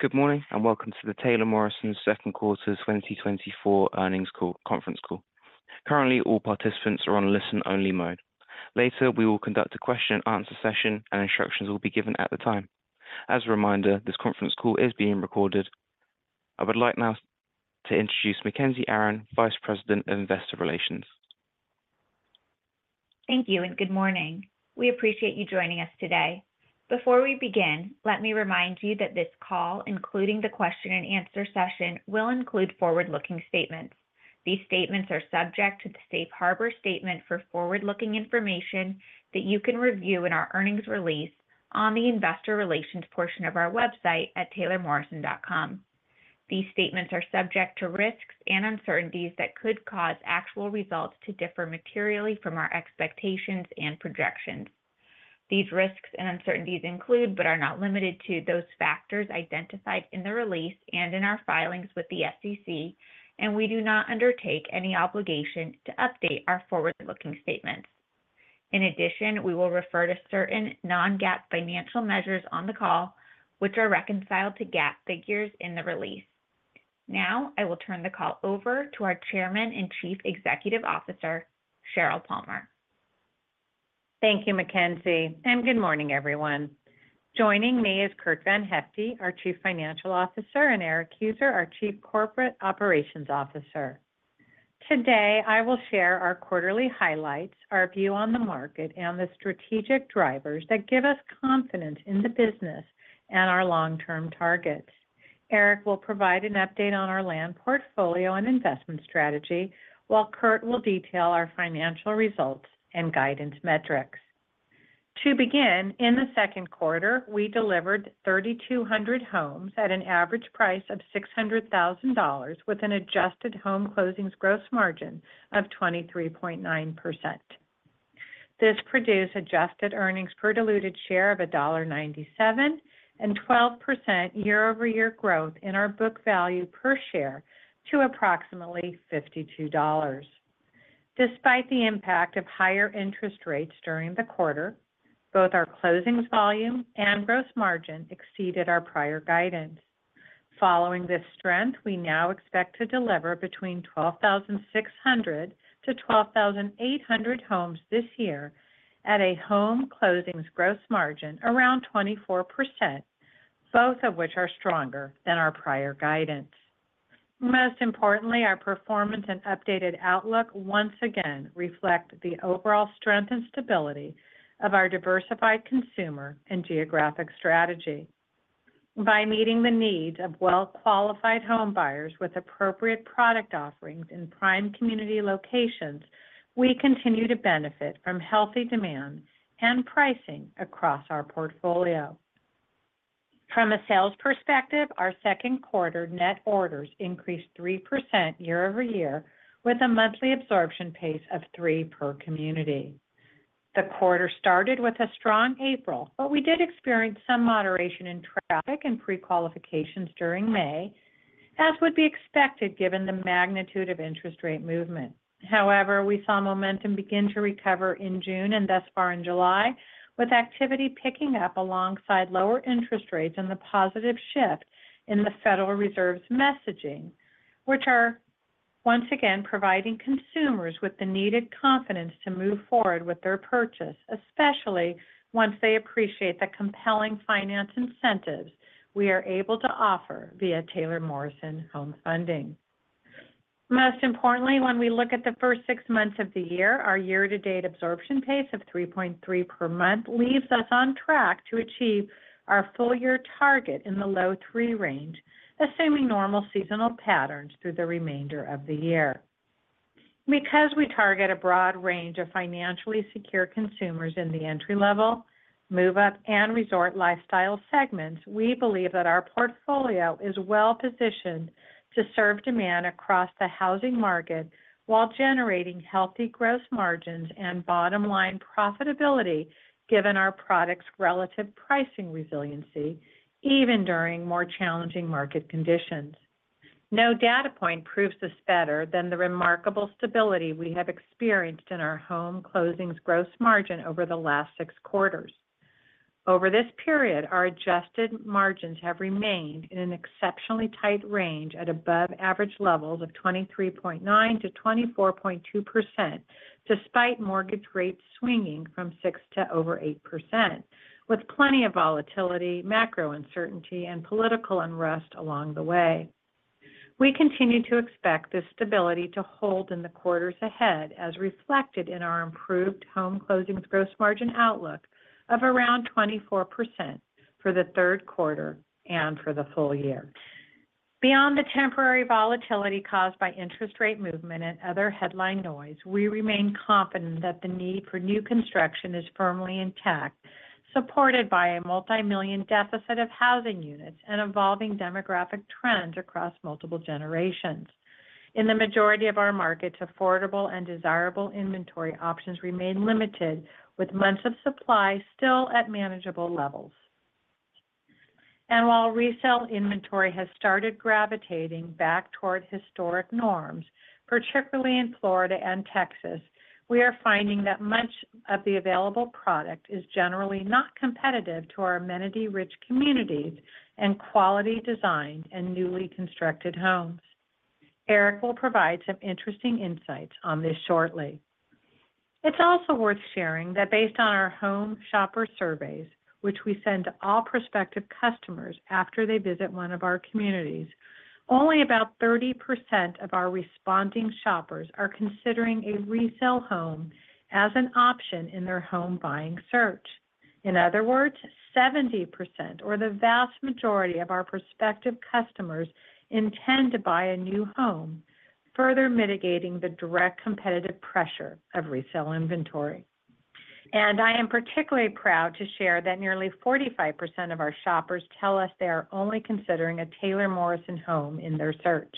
Good morning and welcome to the Taylor Morrison Q2 2024 Earnings Conference Call. Currently, all participants are on listen-only mode. Later, we will conduct a question-and-answer session, and instructions will be given at the time. As a reminder, this conference call is being recorded. I would like now to introduce Mackenzie Aron, Vice President of Investor Relations. Thank you and good morning. We appreciate you joining us today. Before we begin, let me remind you that this call, including the question-and-answer session, will include forward-looking statements. These statements are subject to the Safe Harbor Statement for forward-looking information that you can review in our earnings release on the investor relations portion of our website at taylormorrison.com. These statements are subject to risks and uncertainties that could cause actual results to differ materially from our expectations and projections. These risks and uncertainties include, but are not limited to, those factors identified in the release and in our filings with the SEC, and we do not undertake any obligation to update our forward-looking statements. In addition, we will refer to certain non-GAAP financial measures on the call, which are reconciled to GAAP figures in the release. Now, I will turn the call over to our Chairman and Chief Executive Officer, Sheryl Palmer. Thank you, Mackenzie, and good morning, everyone. Joining me is Curt VanHyfte, our Chief Financial Officer, and Erik Heuser, our Chief Corporate Operations Officer. Today, I will share our quarterly highlights, our view on the market, and the strategic drivers that give us confidence in the business and our long-term targets. Erik will provide an update on our land portfolio and investment strategy, while Curt will detail our financial results and guidance metrics. To begin, in the Q2, we delivered 3,200 homes at an average price of $600,000, with an adjusted home closings gross margin of 23.9%. This produced adjusted earnings per diluted share of $1.97 and 12% year-over-year growth in our book value per share to approximately $52. Despite the impact of higher interest rates during the quarter, both our closings volume and gross margin exceeded our prior guidance. Following this strength, we now expect to deliver between 12,600 to 12,800 homes this year at a home closings gross margin around 24%, both of which are stronger than our prior guidance. Most importantly, our performance and updated outlook once again reflect the overall strength and stability of our diversified consumer and geographic strategy. By meeting the needs of well-qualified homebuyers with appropriate product offerings in prime community locations, we continue to benefit from healthy demand and pricing across our portfolio. From a sales perspective, our Q2 net orders increased 3% year-over-year, with a monthly absorption pace of three per community. The quarter started with a strong April, but we did experience some moderation in traffic and pre qualifications during May, as would be expected given the magnitude of interest rate movement. However, we saw momentum begin to recover in June and thus far in July, with activity picking up alongside lower interest rates and the positive shift in the Federal Reserve's messaging, which are once again providing consumers with the needed confidence to move forward with their purchase, especially once they appreciate the compelling finance incentives we are able to offer via Taylor Morrison Home Funding. Most importantly, when we look at the first six months of the year, our year-to-date absorption pace of 3.3 per month leaves us on track to achieve our full-year target in the low 3 range, assuming normal seasonal patterns through the remainder of the year. Because we target a broad range of financially secure consumers in the entry-level, move-up, and Resort Lifestyle segments, we believe that our portfolio is well positioned to serve demand across the housing market while generating healthy gross margins and bottom-line profitability given our product's relative pricing resiliency, even during more challenging market conditions. No data point proves this better than the remarkable stability we have experienced in our home closings gross margin over the last six quarters. Over this period, our adjusted margins have remained in an exceptionally tight range at above-average levels of 23.9% to 24.2%, despite mortgage rates swinging from 6% to over 8%, with plenty of volatility, macro uncertainty, and political unrest along the way. We continue to expect this stability to hold in the quarters ahead, as reflected in our improved home closings gross margin outlook of around 24% for the Q3 and for the full year. Beyond the temporary volatility caused by interest rate movement and other headline noise, we remain confident that the need for new construction is firmly intact, supported by a multi-million deficit of housing units and evolving demographic trends across multiple generations. In the majority of our markets, affordable and desirable inventory options remain limited, with months of supply still at manageable levels. While resale inventory has started gravitating back toward historic norms, particularly in Florida and Texas, we are finding that much of the available product is generally not competitive to our amenity-rich communities and quality design and newly constructed homes. Erik will provide some interesting insights on this shortly. It's also worth sharing that based on our home shopper surveys, which we send to all prospective customers after they visit one of our communities, only about 30% of our responding shoppers are considering a resale home as an option in their home buying search. In other words, 70%, or the vast majority of our prospective customers, intend to buy a new home, further mitigating the direct competitive pressure of resale inventory. And I am particularly proud to share that nearly 45% of our shoppers tell us they are only considering a Taylor Morrison home in their search.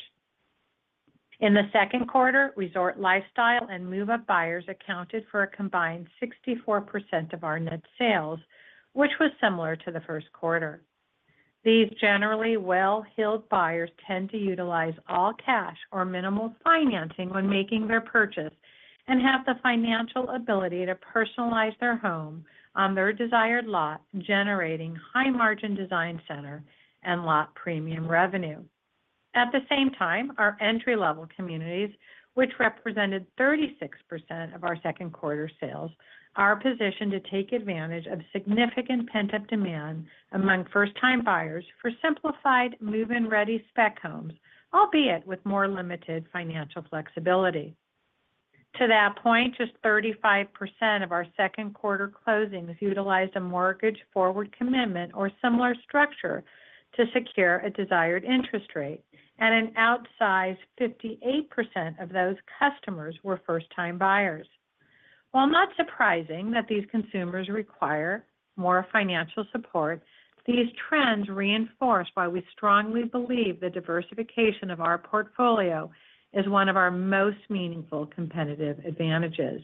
In the Q2, Resort Lifestyle and move-up buyers accounted for a combined 64% of our net sales, which was similar to the Q1. These generally well-heeled buyers tend to utilize all cash or minimal financing when making their purchase and have the financial ability to personalize their home on their desired lot, generating high-margin design center and lot premium revenue. At the same time, our entry-level communities, which represented 36% of our Q2 sales, are positioned to take advantage of significant pent-up demand among first-time buyers for simplified, move-in ready spec homes, albeit with more limited financial flexibility. To that point, just 35% of our Q2 closings utilized a mortgage forward commitment or similar structure to secure a desired interest rate, and an outsized 58% of those customers were first-time buyers. While not surprising that these consumers require more financial support, these trends reinforce why we strongly believe the diversification of our portfolio is one of our most meaningful competitive advantages.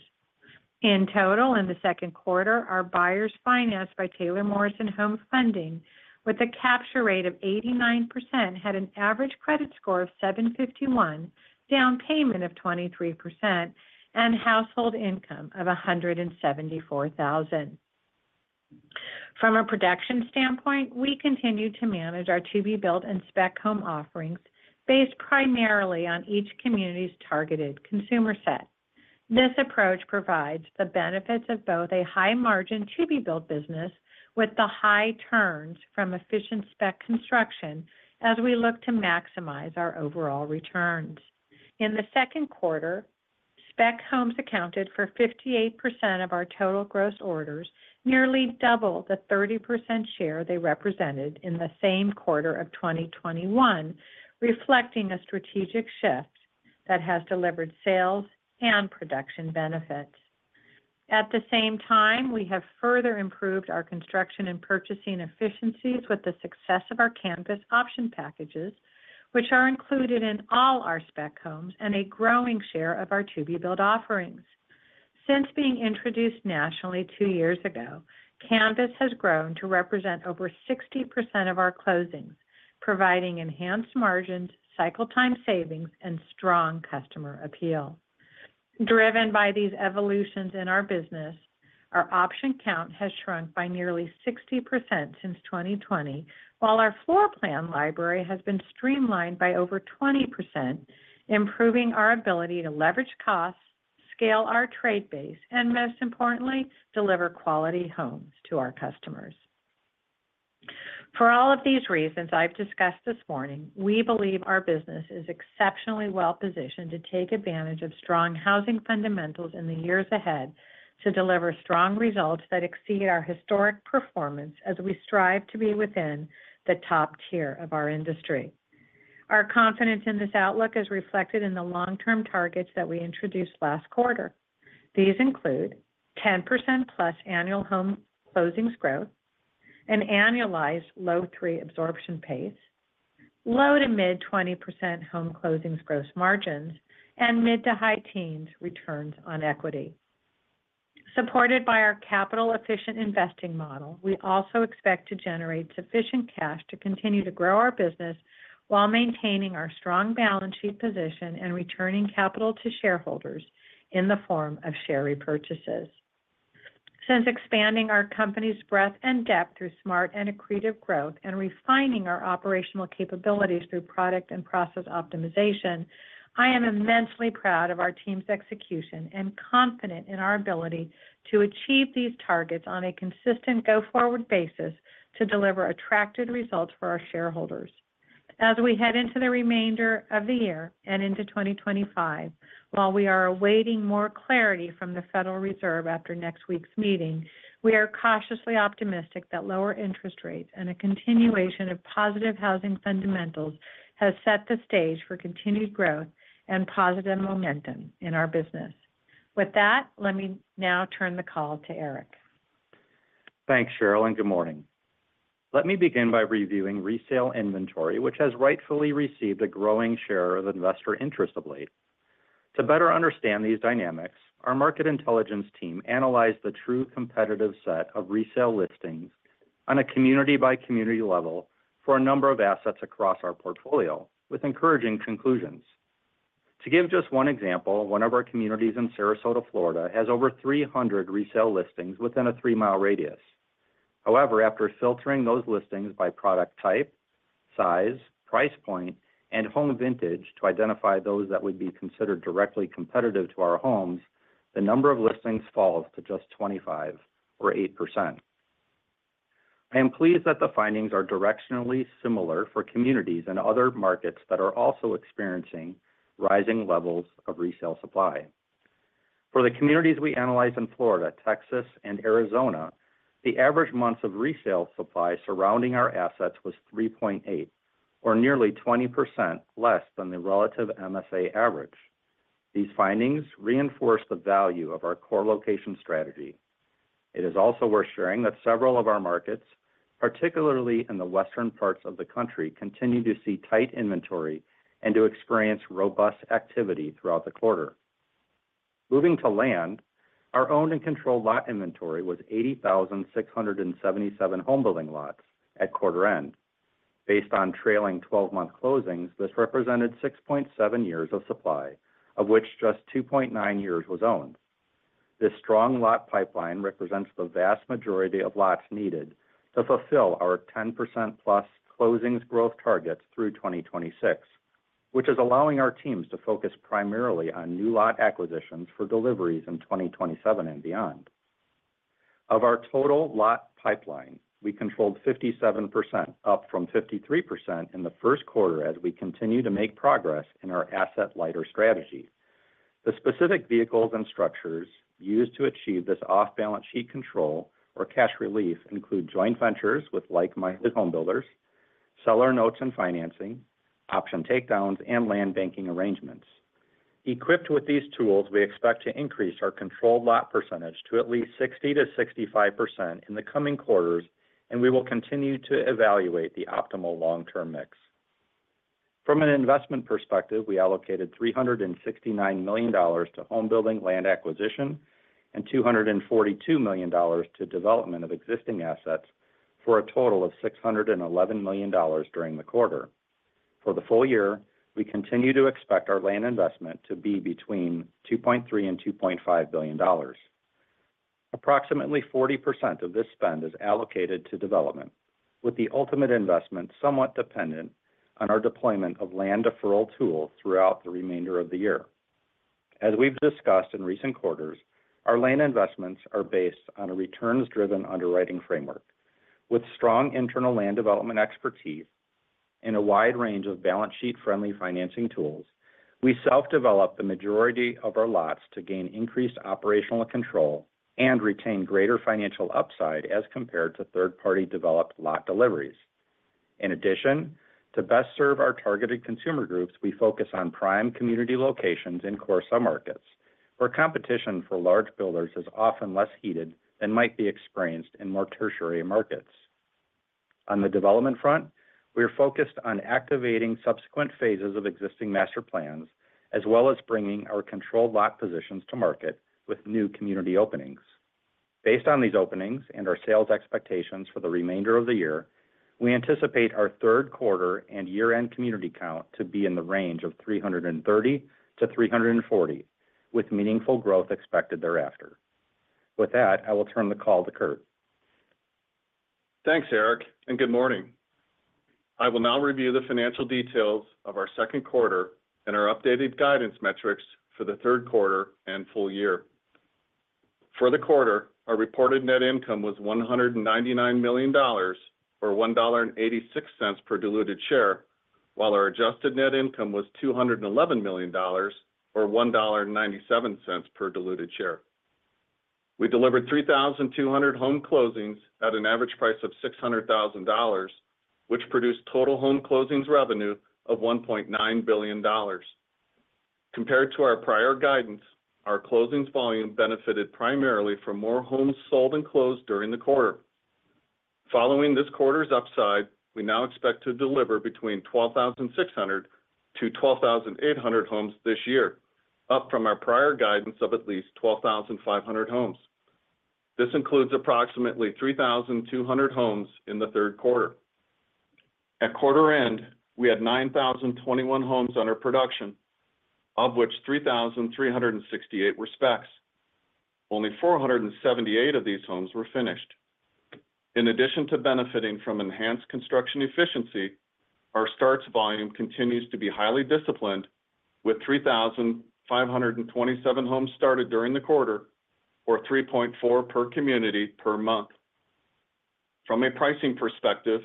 In total, in the Q2, our buyers financed by Taylor Morrison Home Funding with a capture rate of 89% had an average credit score of 751, down payment of 23%, and household income of $174,000. From a production standpoint, we continue to manage our to-be-built and spec home offerings based primarily on each community's targeted consumer set. This approach provides the benefits of both a high-margin to-be-built business with the high turns from efficient spec construction as we look to maximize our overall returns. In the Q2, spec homes accounted for 58% of our total gross orders, nearly double the 30% share they represented in the same quarter of 2021, reflecting a strategic shift that has delivered sales and production benefits. At the same time, we have further improved our construction and purchasing efficiencies with the success of our Canvas option packages, which are included in all our spec homes and a growing share of our to-be-built offerings. Since being introduced nationally two years ago, Canvas has grown to represent over 60% of our closings, providing enhanced margins, cycle time savings, and strong customer appeal. Driven by these evolutions in our business, our option count has shrunk by nearly 60% since 2020, while our floor plan library has been streamlined by over 20%, improving our ability to leverage costs, scale our trade base, and most importantly, deliver quality homes to our customers. For all of these reasons I've discussed this morning, we believe our business is exceptionally well-positioned to take advantage of strong housing fundamentals in the years ahead to deliver strong results that exceed our historic performance as we strive to be within the top tier of our industry. Our confidence in this outlook is reflected in the long-term targets that we introduced last quarter. These include 10%+ annual home closings growth, an annualized low 3 absorption pace, low- to mid-20% home closings gross margins, and mid to high-teens returns on equity. Supported by our capital-efficient investing model, we also expect to generate sufficient cash to continue to grow our business while maintaining our strong balance sheet position and returning capital to shareholders in the form of share repurchases. Since expanding our company's breadth and depth through smart and accretive growth and refining our operational capabilities through product and process optimization, I am immensely proud of our team's execution and confident in our ability to achieve these targets on a consistent go-forward basis to deliver attractive results for our shareholders. As we head into the remainder of the year and into 2025, while we are awaiting more clarity from the Federal Reserve after next week's meeting, we are cautiously optimistic that lower interest rates and a continuation of positive housing fundamentals have set the stage for continued growth and positive momentum in our business. With that, let me now turn the call to Erik. Thanks, Sheryl, and good morning. Let me begin by reviewing resale inventory, which has rightfully received a growing share of investor interest of late. To better understand these dynamics, our market intelligence team analyzed the true competitive set of resale listings on a community-by-community level for a number of assets across our portfolio, with encouraging conclusions. To give just one example, one of our communities in Sarasota, Florida, has over 300 resale listings within a 3 mile radius. However, after filtering those listings by product type, size, price point, and home vintage to identify those that would be considered directly competitive to our homes, the number of listings falls to just 25 or 8%. I am pleased that the findings are directionally similar for communities and other markets that are also experiencing rising levels of resale supply. For the communities we analyzed in Florida, Texas, and Arizona, the average months of resale supply surrounding our assets was 3.8, or nearly 20% less than the relative MSA average. These findings reinforce the value of our core location strategy. It is also worth sharing that several of our markets, particularly in the Western parts of the country, continue to see tight inventory and to experience robust activity throughout the quarter. Moving to land, our owned and controlled lot inventory was 80,677 home building lots at quarter end. Based on trailing 12-month closings, this represented 6.7 years of supply, of which just 2.9 years was owned. This strong lot pipeline represents the vast majority of lots needed to fulfill our 10%+ closings growth targets through 2026, which is allowing our teams to focus primarily on new lot acquisitions for deliveries in 2027 and beyond. Of our total lot pipeline, we controlled 57%, up from 53% in the Q1 as we continue to make progress in our asset lighter strategy. The specific vehicles and structures used to achieve this off-balance sheet control or cash relief include joint ventures with like-minded home builders, seller notes and financing, option takedowns, and land banking arrangements. Equipped with these tools, we expect to increase our controlled lot percentage to at least 60% to 65% in the coming quarters, and we will continue to evaluate the optimal long-term mix. From an investment perspective, we allocated $369 million to home building land acquisition and $242 million to development of existing assets for a total of $611 million during the quarter. For the full year, we continue to expect our land investment to be between $2.3 billion and $2.5 billion. Approximately 40% of this spend is allocated to development, with the ultimate investment somewhat dependent on our deployment of land deferral tools throughout the remainder of the year. As we've discussed in recent quarters, our land investments are based on a returns-driven underwriting framework. With strong internal land development expertise and a wide range of balance sheet-friendly financing tools, we self-develop the majority of our lots to gain increased operational control and retain greater financial upside as compared to third-party developed lot deliveries. In addition, to best serve our targeted consumer groups, we focus on prime community locations in core submarkets, where competition for large builders is often less heated than might be experienced in more tertiary markets. On the development front, we are focused on activating subsequent phases of existing master plans as well as bringing our controlled lot positions to market with new community openings. Based on these openings and our sales expectations for the remainder of the year, we anticipate our Q3 and year-end community count to be in the range of 330 to 340, with meaningful growth expected thereafter. With that, I will turn the call to Curt. Thanks, Erik, and good morning. I will now review the financial details of our Q2 and our updated guidance metrics for the Q3 and full year. For the quarter, our reported net income was $199 million, or $1.86 per diluted share, while our adjusted net income was $211 million, or $1.97 per diluted share. We delivered 3,200 home closings at an average price of $600,000, which produced total home closings revenue of $1.9 billion. Compared to our prior guidance, our closings volume benefited primarily from more homes sold and closed during the quarter. Following this quarter's upside, we now expect to deliver between 12,600 to 12,800 homes this year, up from our prior guidance of at least 12,500 homes. This includes approximately 3,200 homes in the Q3. At quarter end, we had 9,021 homes under production, of which 3,368 were specs. Only 478 of these homes were finished. In addition to benefiting from enhanced construction efficiency, our starts volume continues to be highly disciplined, with 3,527 homes started during the quarter, or 3.4 per community per month. From a pricing perspective,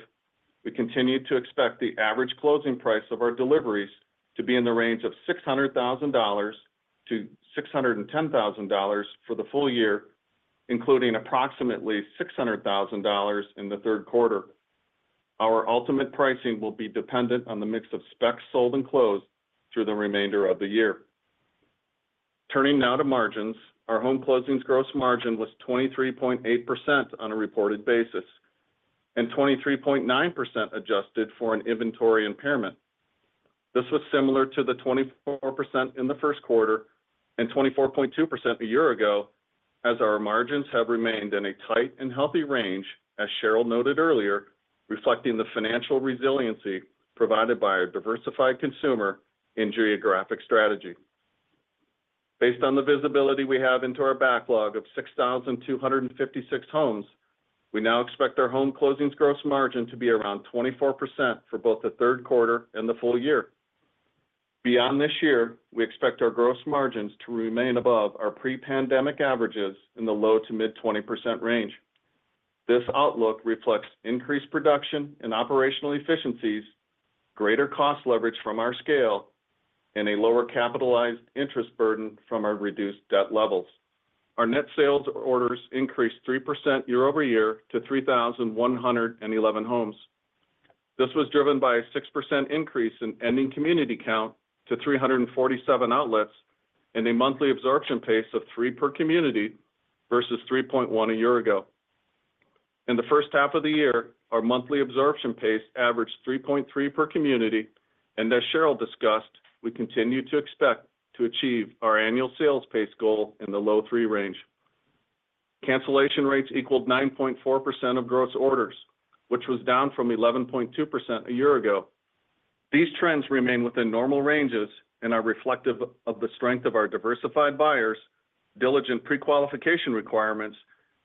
we continue to expect the average closing price of our deliveries to be in the range of $600,000 to $610,000 for the full year, including approximately $600,000 in the Q3. Our ultimate pricing will be dependent on the mix of specs sold and closed through the remainder of the year. Turning now to margins, our home closings gross margin was 23.8% on a reported basis, and 23.9% adjusted for an inventory impairment. This was similar to the 24% in the Q1 and 24.2% a year ago, as our margins have remained in a tight and healthy range, as Sheryl noted earlier, reflecting the financial resiliency provided by our diversified consumer in geographic strategy. Based on the visibility we have into our backlog of 6,256 homes, we now expect our home closings gross margin to be around 24% for both the Q3 and the full year. Beyond this year, we expect our gross margins to remain above our pre-pandemic averages in the low to mid 20% range. This outlook reflects increased production and operational efficiencies, greater cost leverage from our scale, and a lower capitalized interest burden from our reduced debt levels. Our net sales orders increased 3% year-over-year to 3,111 homes. This was driven by a 6% increase in ending community count to 347 outlets and a monthly absorption pace of 3 per community vs 3.1 a year ago. In the first half of the year, our monthly absorption pace averaged 3.3 per community, and as Sheryl discussed, we continue to expect to achieve our annual sales pace goal in the low 3 range. Cancellation rates equaled 9.4% of gross orders, which was down from 11.2% a year ago. These trends remain within normal ranges and are reflective of the strength of our diversified buyers, diligent pre-qualification requirements,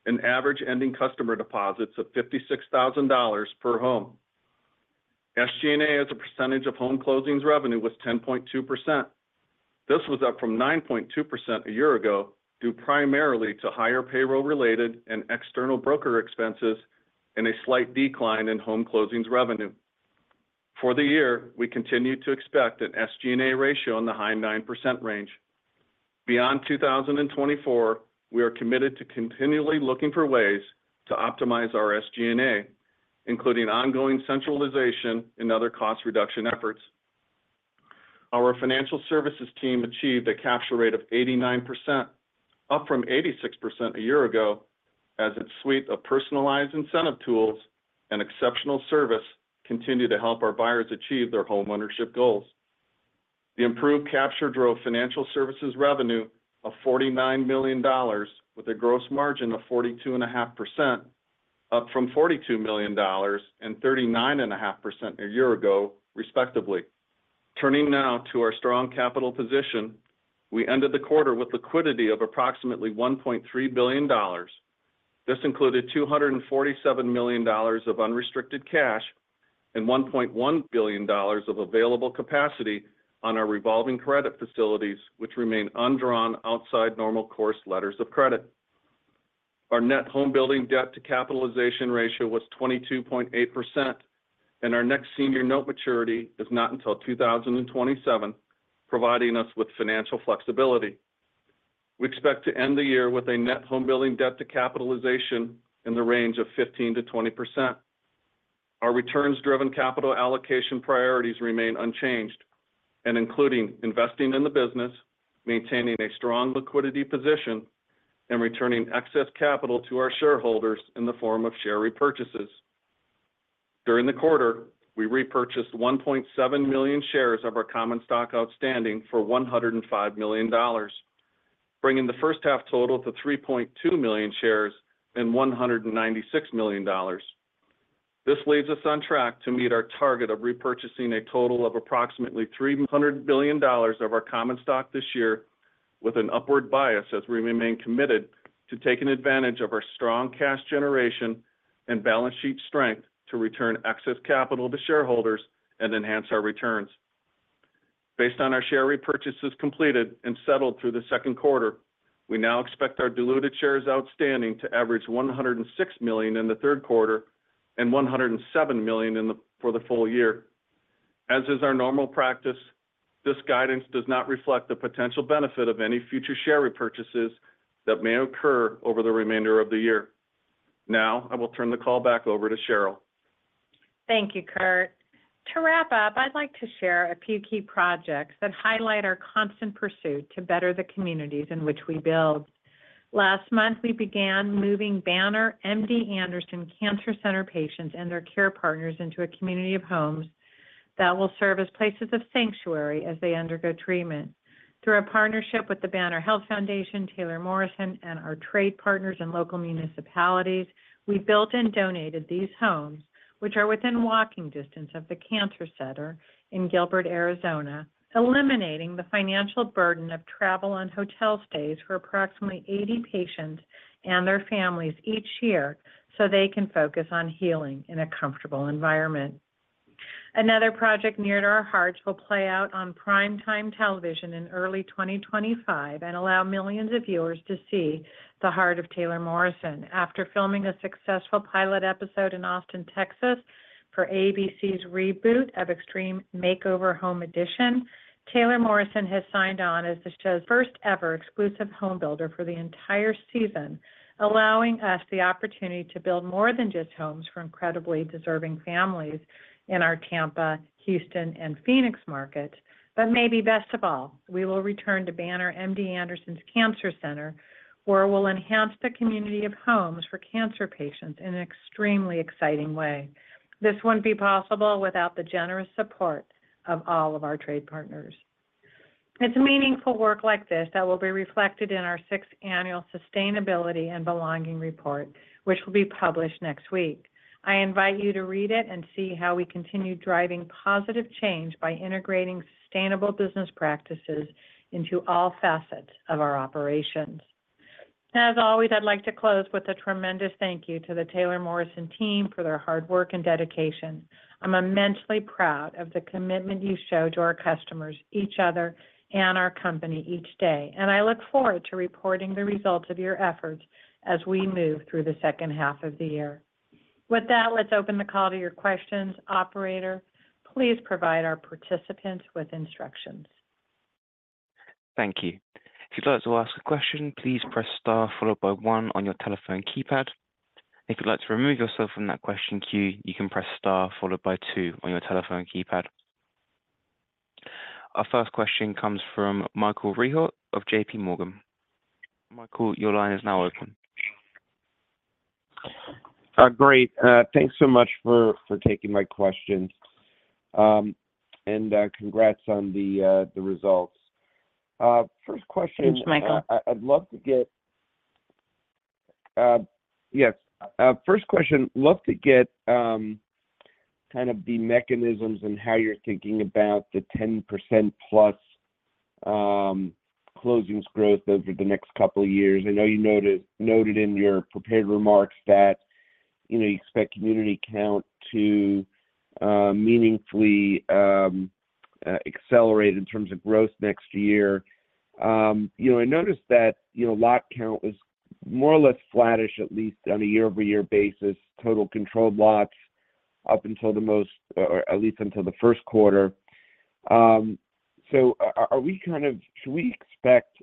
and average ending customer deposits of $56,000 per home. SG&A as a percentage of home closings revenue was 10.2%. This was up from 9.2% a year ago due primarily to higher payroll-related and external broker expenses and a slight decline in home closings revenue. For the year, we continue to expect an SG&A ratio in the high 9% range. Beyond 2024, we are committed to continually looking for ways to optimize our SG&A, including ongoing centralization and other cost reduction efforts. Our financial services team achieved a capture rate of 89%, up from 86% a year ago, as its suite of personalized incentive tools and exceptional service continue to help our buyers achieve their homeownership goals. The improved capture drove financial services revenue of $49 million, with a gross margin of 42.5%, up from $42 million and 39.5% a year ago, respectively. Turning now to our strong capital position, we ended the quarter with liquidity of approximately $1.3 billion. This included $247 million of unrestricted cash and $1.1 billion of available capacity on our revolving credit facilities, which remain undrawn outside normal course letters of credit. Our net home building debt to capitalization ratio was 22.8%, and our next senior note maturity is not until 2027, providing us with financial flexibility. We expect to end the year with a net home building debt to capitalization in the range of 15%-20%. Our returns-driven capital allocation priorities remain unchanged, including investing in the business, maintaining a strong liquidity position, and returning excess capital to our shareholders in the form of share repurchases. During the quarter, we repurchased 1.7 million shares of our common stock outstanding for $105 million, bringing the first half total to 3.2 million shares and $196 million. This leaves us on track to meet our target of repurchasing a total of approximately $300 billion of our common stock this year, with an upward bias as we remain committed to taking advantage of our strong cash generation and balance sheet strength to return excess capital to shareholders and enhance our returns. Based on our share repurchases completed and settled through the Q2, we now expect our diluted shares outstanding to average 106 million in the Q3 and 107 million for the full year. As is our normal practice, this guidance does not reflect the potential benefit of any future share repurchases that may occur over the remainder of the year. Now, I will turn the call back over to Sheryl. Thank you, Curt. To wrap up, I'd like to share a few key projects that highlight our constant pursuit to better the communities in which we build. Last month, we began moving Banner MD Anderson Cancer Center patients and their care partners into a community of homes that will serve as places of sanctuary as they undergo treatment. Through our partnership with the Banner Health Foundation, Taylor Morrison, and our trade partners and local municipalities, we built and donated these homes, which are within walking distance of the cancer center in Gilbert, Arizona, eliminating the financial burden of travel and hotel stays for approximately 80 patients and their families each year so they can focus on healing in a comfortable environment. Another project near to our hearts will play out on prime time television in early 2025 and allow millions of viewers to see the heart of Taylor Morrison. After filming a successful pilot episode in Austin, Texas, for ABC's reboot of Extreme Makeover: Home Edition, Taylor Morrison has signed on as the show's first-ever exclusive home builder for the entire season, allowing us the opportunity to build more than just homes for incredibly deserving families in our Tampa, Houston, and Phoenix markets. But maybe best of all, we will return to Banner MD Anderson Cancer Center, where we'll enhance the community of homes for cancer patients in an extremely exciting way. This wouldn't be possible without the generous support of all of our trade partners. It's meaningful work like this that will be reflected in our sixth annual sustainability and belonging report, which will be published next week. I invite you to read it and see how we continue driving positive change by integrating sustainable business practices into all facets of our operations. As always, I'd like to close with a tremendous thank you to the Taylor Morrison team for their hard work and dedication. I'm immensely proud of the commitment you show to our customers, each other, and our company each day, and I look forward to reporting the results of your efforts as we move through the second half of the year. With that, let's open the call to your questions. Operator, please provide our participants with instructions. Thank you. If you'd like to ask a question, please press Star followed by One on your telephone keypad. If you'd like to remove yourself from that question queue, you can press Star followed by Two on your telephone keypad. Our first question comes from Michael Rehaut of JP Morgan. Michael, your line is now open. Great. Thanks so much for taking my questions. Congrats on the results. First question. Thanks, Michael. I'd love to get yes. First question, I'd love to get kind of the mechanisms and how you're thinking about the 10%+ closings growth over the next couple of years. I know you noted in your prepared remarks that you expect community count to meaningfully accelerate in terms of growth next year. I noticed that lot count was more or less flattish, at least on a year-over-year basis, total controlled lots up until the most, or at least until the Q1. So are we kind of should we expect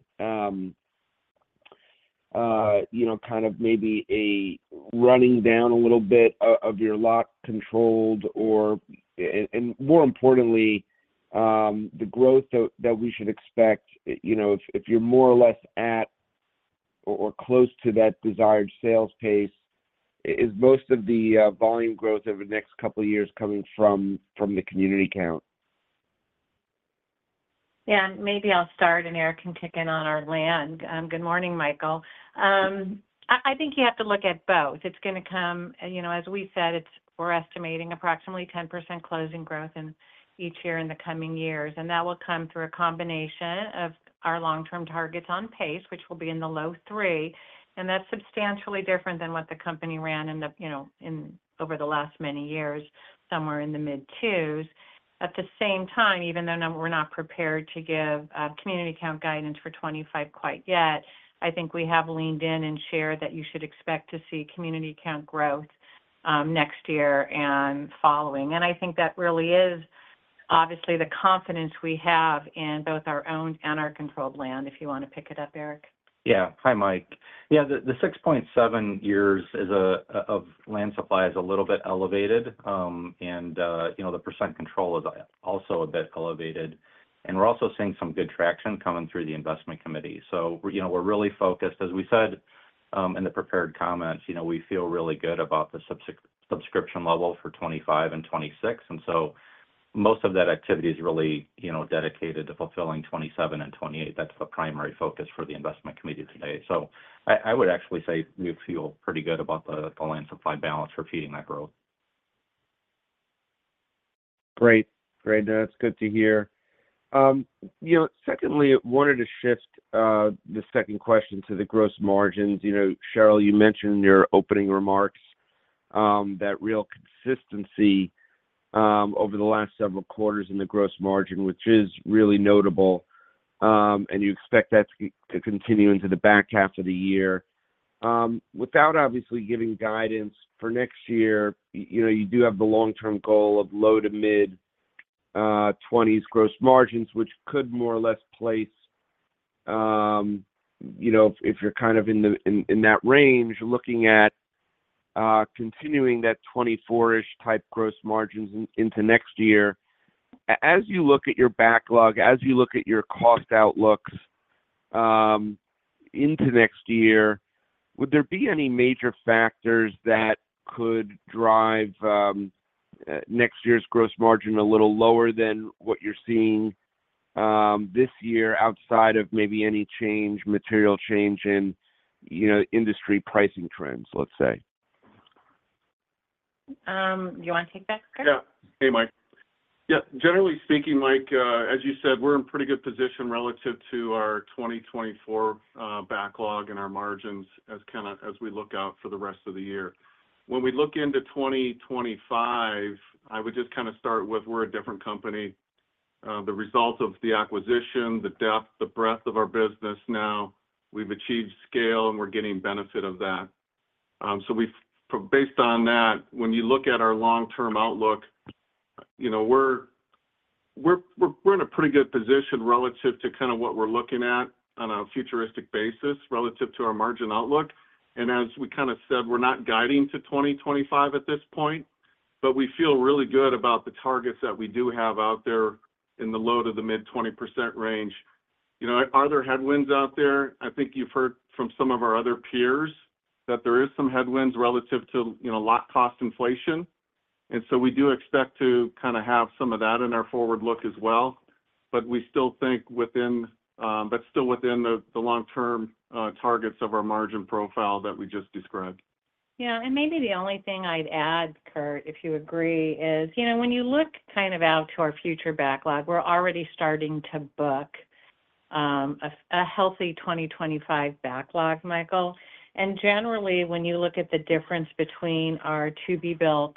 kind of maybe a running down a little bit of your lot controlled? And more importantly, the growth that we should expect, if you're more or less at or close to that desired sales pace, is most of the volume growth over the next couple of years coming from the community count? Yeah. Maybe I'll start, and Erik can kick in on our land. Good morning, Michael. I think you have to look at both. It's going to come, as we said, we're estimating approximately 10% closing growth each year in the coming years. That will come through a combination of our long-term targets on pace, which will be in the low 3. That's substantially different than what the company ran over the last many years, somewhere in the mid 2s. At the same time, even though we're not prepared to give community count guidance for 2025 quite yet, I think we have leaned in and shared that you should expect to see community count growth next year and following. I think that really is obviously the confidence we have in both our owned and our controlled land, if you want to pick it up, Erik. Yeah. Hi, Mike. Yeah, the 6.7 years of land supply is a little bit elevated, and the percent control is also a bit elevated. And we're also seeing some good traction coming through the investment committee. So we're really focused, as we said in the prepared comments, we feel really good about the subscription level for 2025 and 2026. And so most of that activity is really dedicated to fulfilling 2027 and 2028. That's the primary focus for the investment committee today. So I would actually say we feel pretty good about the land supply balance for feeding that growth. Great. Great. That's good to hear. Secondly, I wanted to shift the second question to the gross margins. Sheryl, you mentioned in your opening remarks that real consistency over the last several quarters in the gross margin, which is really notable, and you expect that to continue into the back half of the year. Without obviously giving guidance for next year, you do have the long-term goal of low- to mid-20s gross margins, which could more or less place, if you're kind of in that range, looking at continuing that 24-ish type gross margins into next year. As you look at your backlog, as you look at your cost outlooks into next year, would there be any major factors that could drive next year's gross margin a little lower than what you're seeing this year outside of maybe any change, material change in industry pricing trends, let's say? You want to take that, Curt? Yeah. Hey, Mike. Yeah. Generally speaking, Mike, as you said, we're in pretty good position relative to our 2024 backlog and our margins as we look out for the rest of the year. When we look into 2025, I would just kind of start with we're a different company. The result of the acquisition, the depth, the breadth of our business now, we've achieved scale, and we're getting benefit of that. So based on that, when you look at our long-term outlook, we're in a pretty good position relative to kind of what we're looking at on a futuristic basis relative to our margin outlook. And as we kind of said, we're not guiding to 2025 at this point, but we feel really good about the targets that we do have out there in the low- to mid-20% range. Are there headwinds out there? I think you've heard from some of our other peers that there are some headwinds relative to lot cost inflation. And so we do expect to kind of have some of that in our forward look as well. But we still think within, but still within the long-term targets of our margin profile that we just described. Yeah. And maybe the only thing I'd add, Curt, if you agree, is when you look kind of out to our future backlog, we're already starting to book a healthy 2025 backlog, Michael. And generally, when you look at the difference between our to-be-built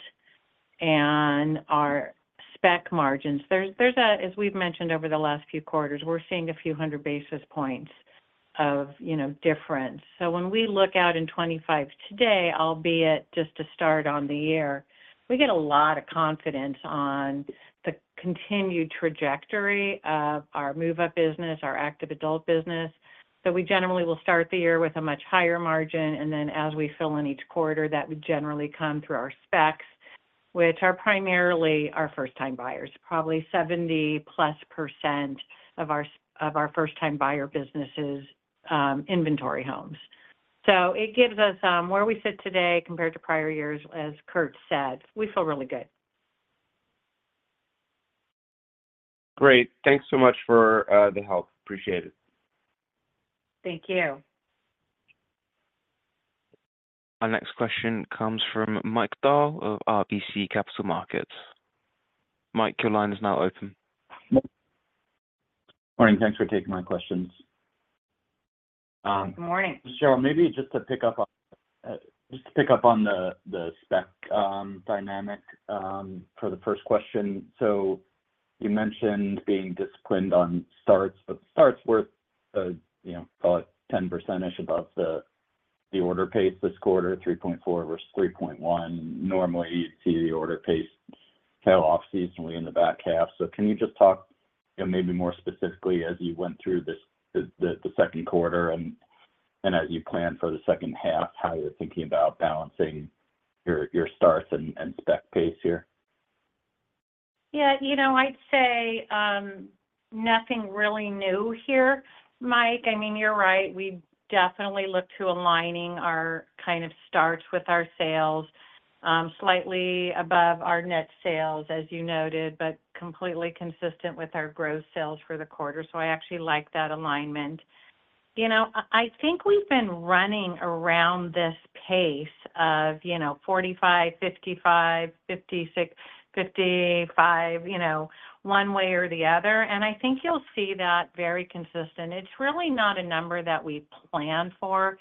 and our spec margins, there's a, as we've mentioned over the last few quarters, we're seeing a few hundred basis points of difference. So when we look out in 2025 today, albeit just to start on the year, we get a lot of confidence on the continued trajectory of our move-up business, our active adult business. So we generally will start the year with a much higher margin. And then as we fill in each quarter, that would generally come through our specs, which are primarily our first-time buyers, probably 70%+ of our first-time buyer businesses' inventory homes. It gives us where we sit today compared to prior years, as Curt said, we feel really good. Great. Thanks so much for the help. Appreciate it. Thank you. Our next question comes from Mike Dahl of RBC Capital Markets. Mike, your line is now open. Morning. Thanks for taking my questions. Good morning. Sheryl, maybe just to pick up on the spec dynamic for the first question. So you mentioned being disciplined on starts, but starts were, call it 10% above the order pace this quarter, 3.4 vs 3.1. Normally, you'd see the order pace tail off seasonally in the back half. So can you just talk maybe more specifically as you went through the Q2 and as you plan for the second half, how you're thinking about balancing your starts and spec pace here? Yeah. I'd say nothing really new here, Mike. I mean, you're right. We definitely look to aligning our kind of starts with our sales slightly above our net sales, as you noted, but completely consistent with our gross sales for the quarter. So I actually like that alignment. I think we've been running around this pace of 45, 55, 56, 55, one way or the other. And I think you'll see that very consistent. It's really not a number that we plan for.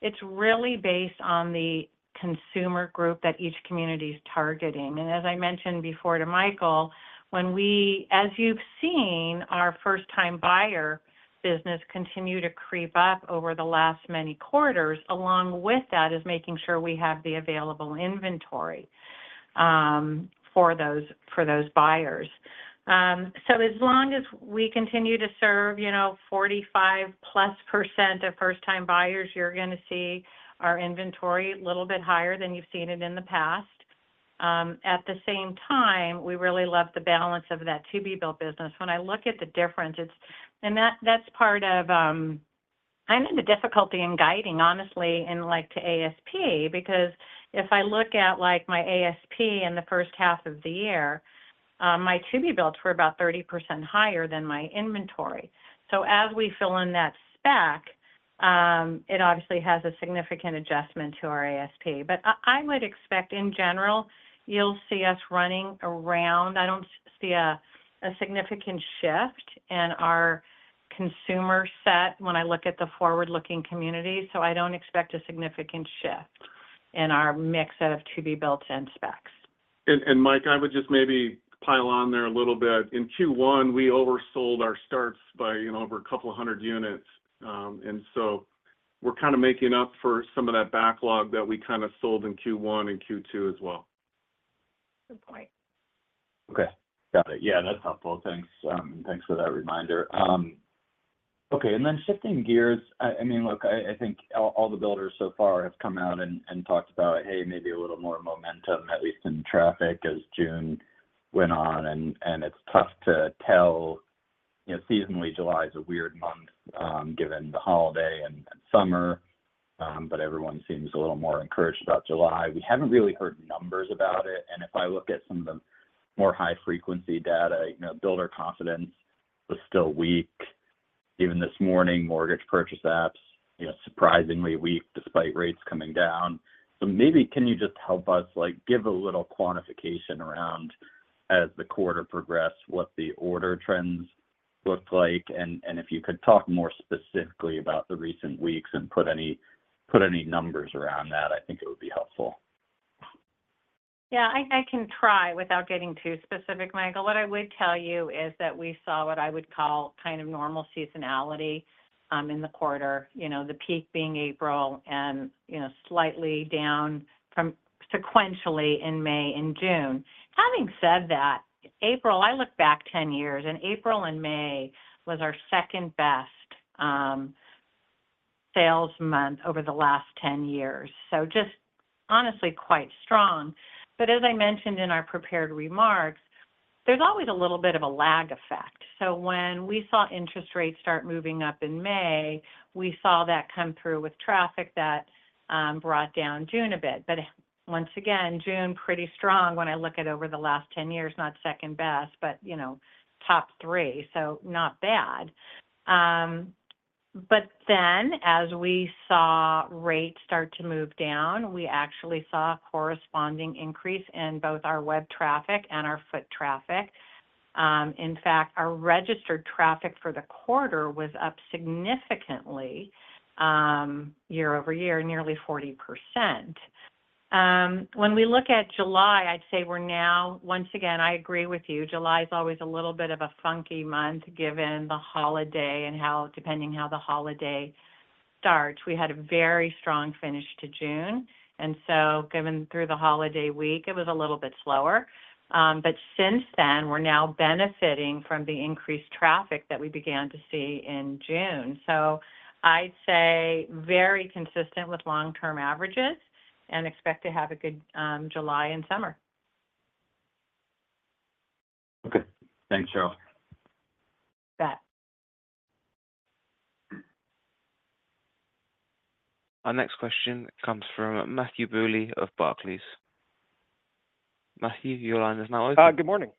It's really based on the consumer group that each community is targeting. And as I mentioned before to Michael, when we, as you've seen, our first-time buyer business continued to creep up over the last many quarters, along with that is making sure we have the available inventory for those buyers. So as long as we continue to serve 45%+ of first-time buyers, you're going to see our inventory a little bit higher than you've seen it in the past. At the same time, we really love the balance of that to-be-built business. When I look at the difference, and that's part of kind of the difficulty in guiding, honestly, in to ASP, because if I look at my ASP in the first half of the year, my to-be-built were about 30% higher than my inventory. So as we fill in that spec, it obviously has a significant adjustment to our ASP. But I would expect, in general, you'll see us running around. I don't see a significant shift in our consumer set when I look at the forward-looking community. So I don't expect a significant shift in our mix of to-be-built and specs. Mike, I would just maybe pile on there a little bit. In Q1, we oversold our starts by over 200 units. And so we're kind of making up for some of that backlog that we kind of sold in Q1 and Q2 as well. Good point. Okay. Got it. Yeah. That's helpful. Thanks. Thanks for that reminder. Okay. And then shifting gears, I mean, look, I think all the builders so far have come out and talked about, "Hey, maybe a little more momentum, at least in traffic," as June went on. And it's tough to tell. Seasonally, July is a weird month given the holiday and summer, but everyone seems a little more encouraged about July. We haven't really heard numbers about it. And if I look at some of the more high-frequency data, builder confidence was still weak. Even this morning, mortgage purchase apps, surprisingly weak despite rates coming down. So maybe can you just help us give a little quantification around, as the quarter progressed, what the order trends looked like? If you could talk more specifically about the recent weeks and put any numbers around that, I think it would be helpful. Yeah. I can try without getting too specific, Michael. What I would tell you is that we saw what I would call kind of normal seasonality in the quarter, the peak being April and slightly down sequentially in May and June. Having said that, April. I look back 10 years, and April and May was our second-best sales month over the last 10 years. So just honestly, quite strong. But as I mentioned in our prepared remarks, there's always a little bit of a lag effect. So when we saw interest rates start moving up in May, we saw that come through with traffic that brought down June a bit. But once again, June pretty strong when I look at over the last 10 years, not second-best, but top three. So not bad. But then as we saw rates start to move down, we actually saw a corresponding increase in both our web traffic and our foot traffic. In fact, our registered traffic for the quarter was up significantly year-over-year, nearly 40%. When we look at July, I'd say we're now, once again, I agree with you, July is always a little bit of a funky month given the holiday and how, depending on how the holiday starts, we had a very strong finish to June. And so given through the holiday week, it was a little bit slower. But since then, we're now benefiting from the increased traffic that we began to see in June. So I'd say very consistent with long-term averages and expect to have a good July and summer. Okay. Thanks, Sheryl. You bet. Our next question comes from Matthew Bouley of Barclays. Matthew, your line is now open. Good morning.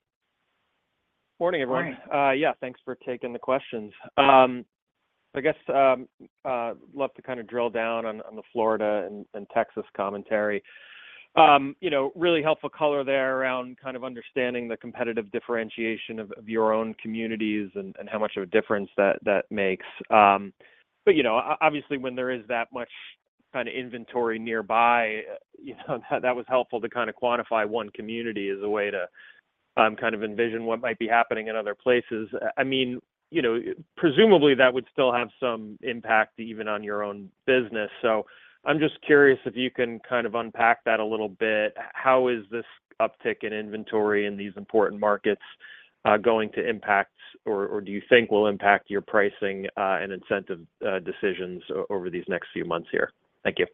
Morning, everyone. Morning. Yeah. Thanks for taking the questions. I guess I'd love to kind of drill down on the Florida and Texas commentary. Really helpful color there around kind of understanding the competitive differentiation of your own communities and how much of a difference that makes. But obviously, when there is that much kind of inventory nearby, that was helpful to kind of quantify one community as a way to kind of envision what might be happening in other places. I mean, presumably, that would still have some impact even on your own business. So I'm just curious if you can kind of unpack that a little bit. How is this uptick in inventory in these important markets going to impact, or do you think will impact your pricing and incentive decisions over these next few months here? Thank you.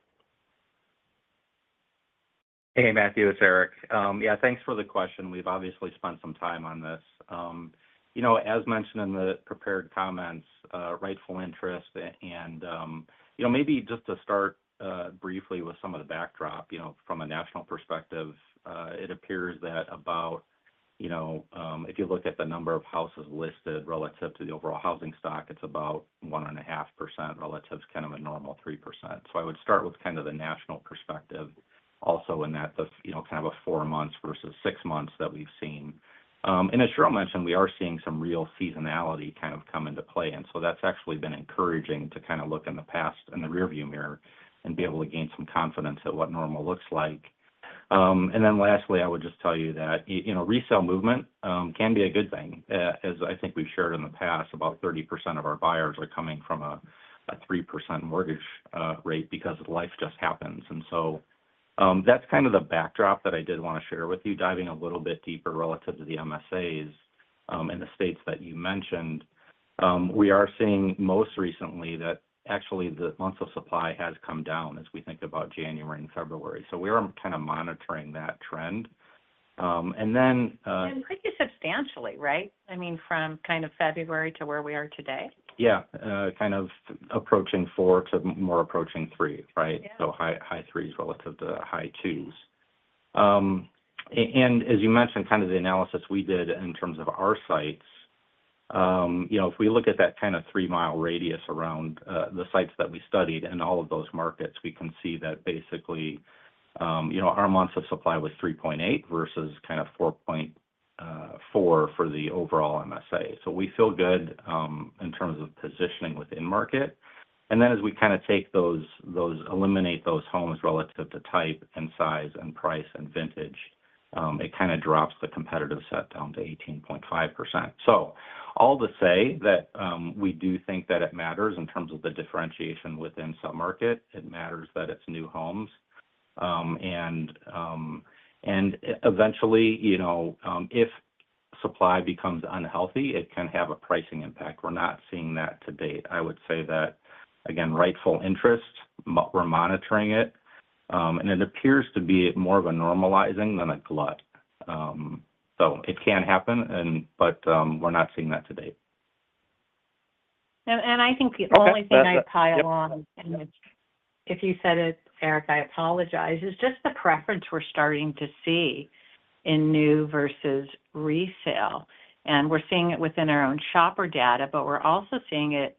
Hey, Matthew. It's Erik. Yeah. Thanks for the question. We've obviously spent some time on this. As mentioned in the prepared comments, rightful interest. And maybe just to start briefly with some of the backdrop from a national perspective, it appears that about if you look at the number of houses listed relative to the overall housing stock, it's about 1.5% relative to kind of a normal 3%. So I would start with kind of the national perspective also in that kind of a 4 months versus 6 months that we've seen. And as Sheryl mentioned, we are seeing some real seasonality kind of come into play. And so that's actually been encouraging to kind of look in the past and the rearview mirror and be able to gain some confidence at what normal looks like. And then lastly, I would just tell you that resale movement can be a good thing. As I think we've shared in the past, about 30% of our buyers are coming from a 3% mortgage rate because life just happens. And so that's kind of the backdrop that I did want to share with you. Diving a little bit deeper relative to the MSAs and the states that you mentioned, we are seeing most recently that actually the months of supply has come down as we think about January and February. So we are kind of monitoring that trend. And then. Pretty substantially, right? I mean, from kind of February to where we are today? Yeah. Kind of approaching 4 to more approaching 3, right? So high threes relative to high twos. And as you mentioned, kind of the analysis we did in terms of our sites, if we look at that kind of 3-mile radius around the sites that we studied and all of those markets, we can see that basically our months of supply was 3.8 versus kind of 4.4 for the overall MSA. So we feel good in terms of positioning within market. And then as we kind of take those, eliminate those homes relative to type and size and price and vintage, it kind of drops the competitive set down to 18.5%. So all to say that we do think that it matters in terms of the differentiation within sub-market. It matters that it's new homes. And eventually, if supply becomes unhealthy, it can have a pricing impact. We're not seeing that to date. I would say that, again, rightful interest. We're monitoring it. It appears to be more of a normalizing than a glut. It can happen, but we're not seeing that to date. I think the only thing I'd pile on, and if you said it, Erik, I apologize, is just the preference we're starting to see in new versus resale. And we're seeing it within our own shopper data, but we're also seeing it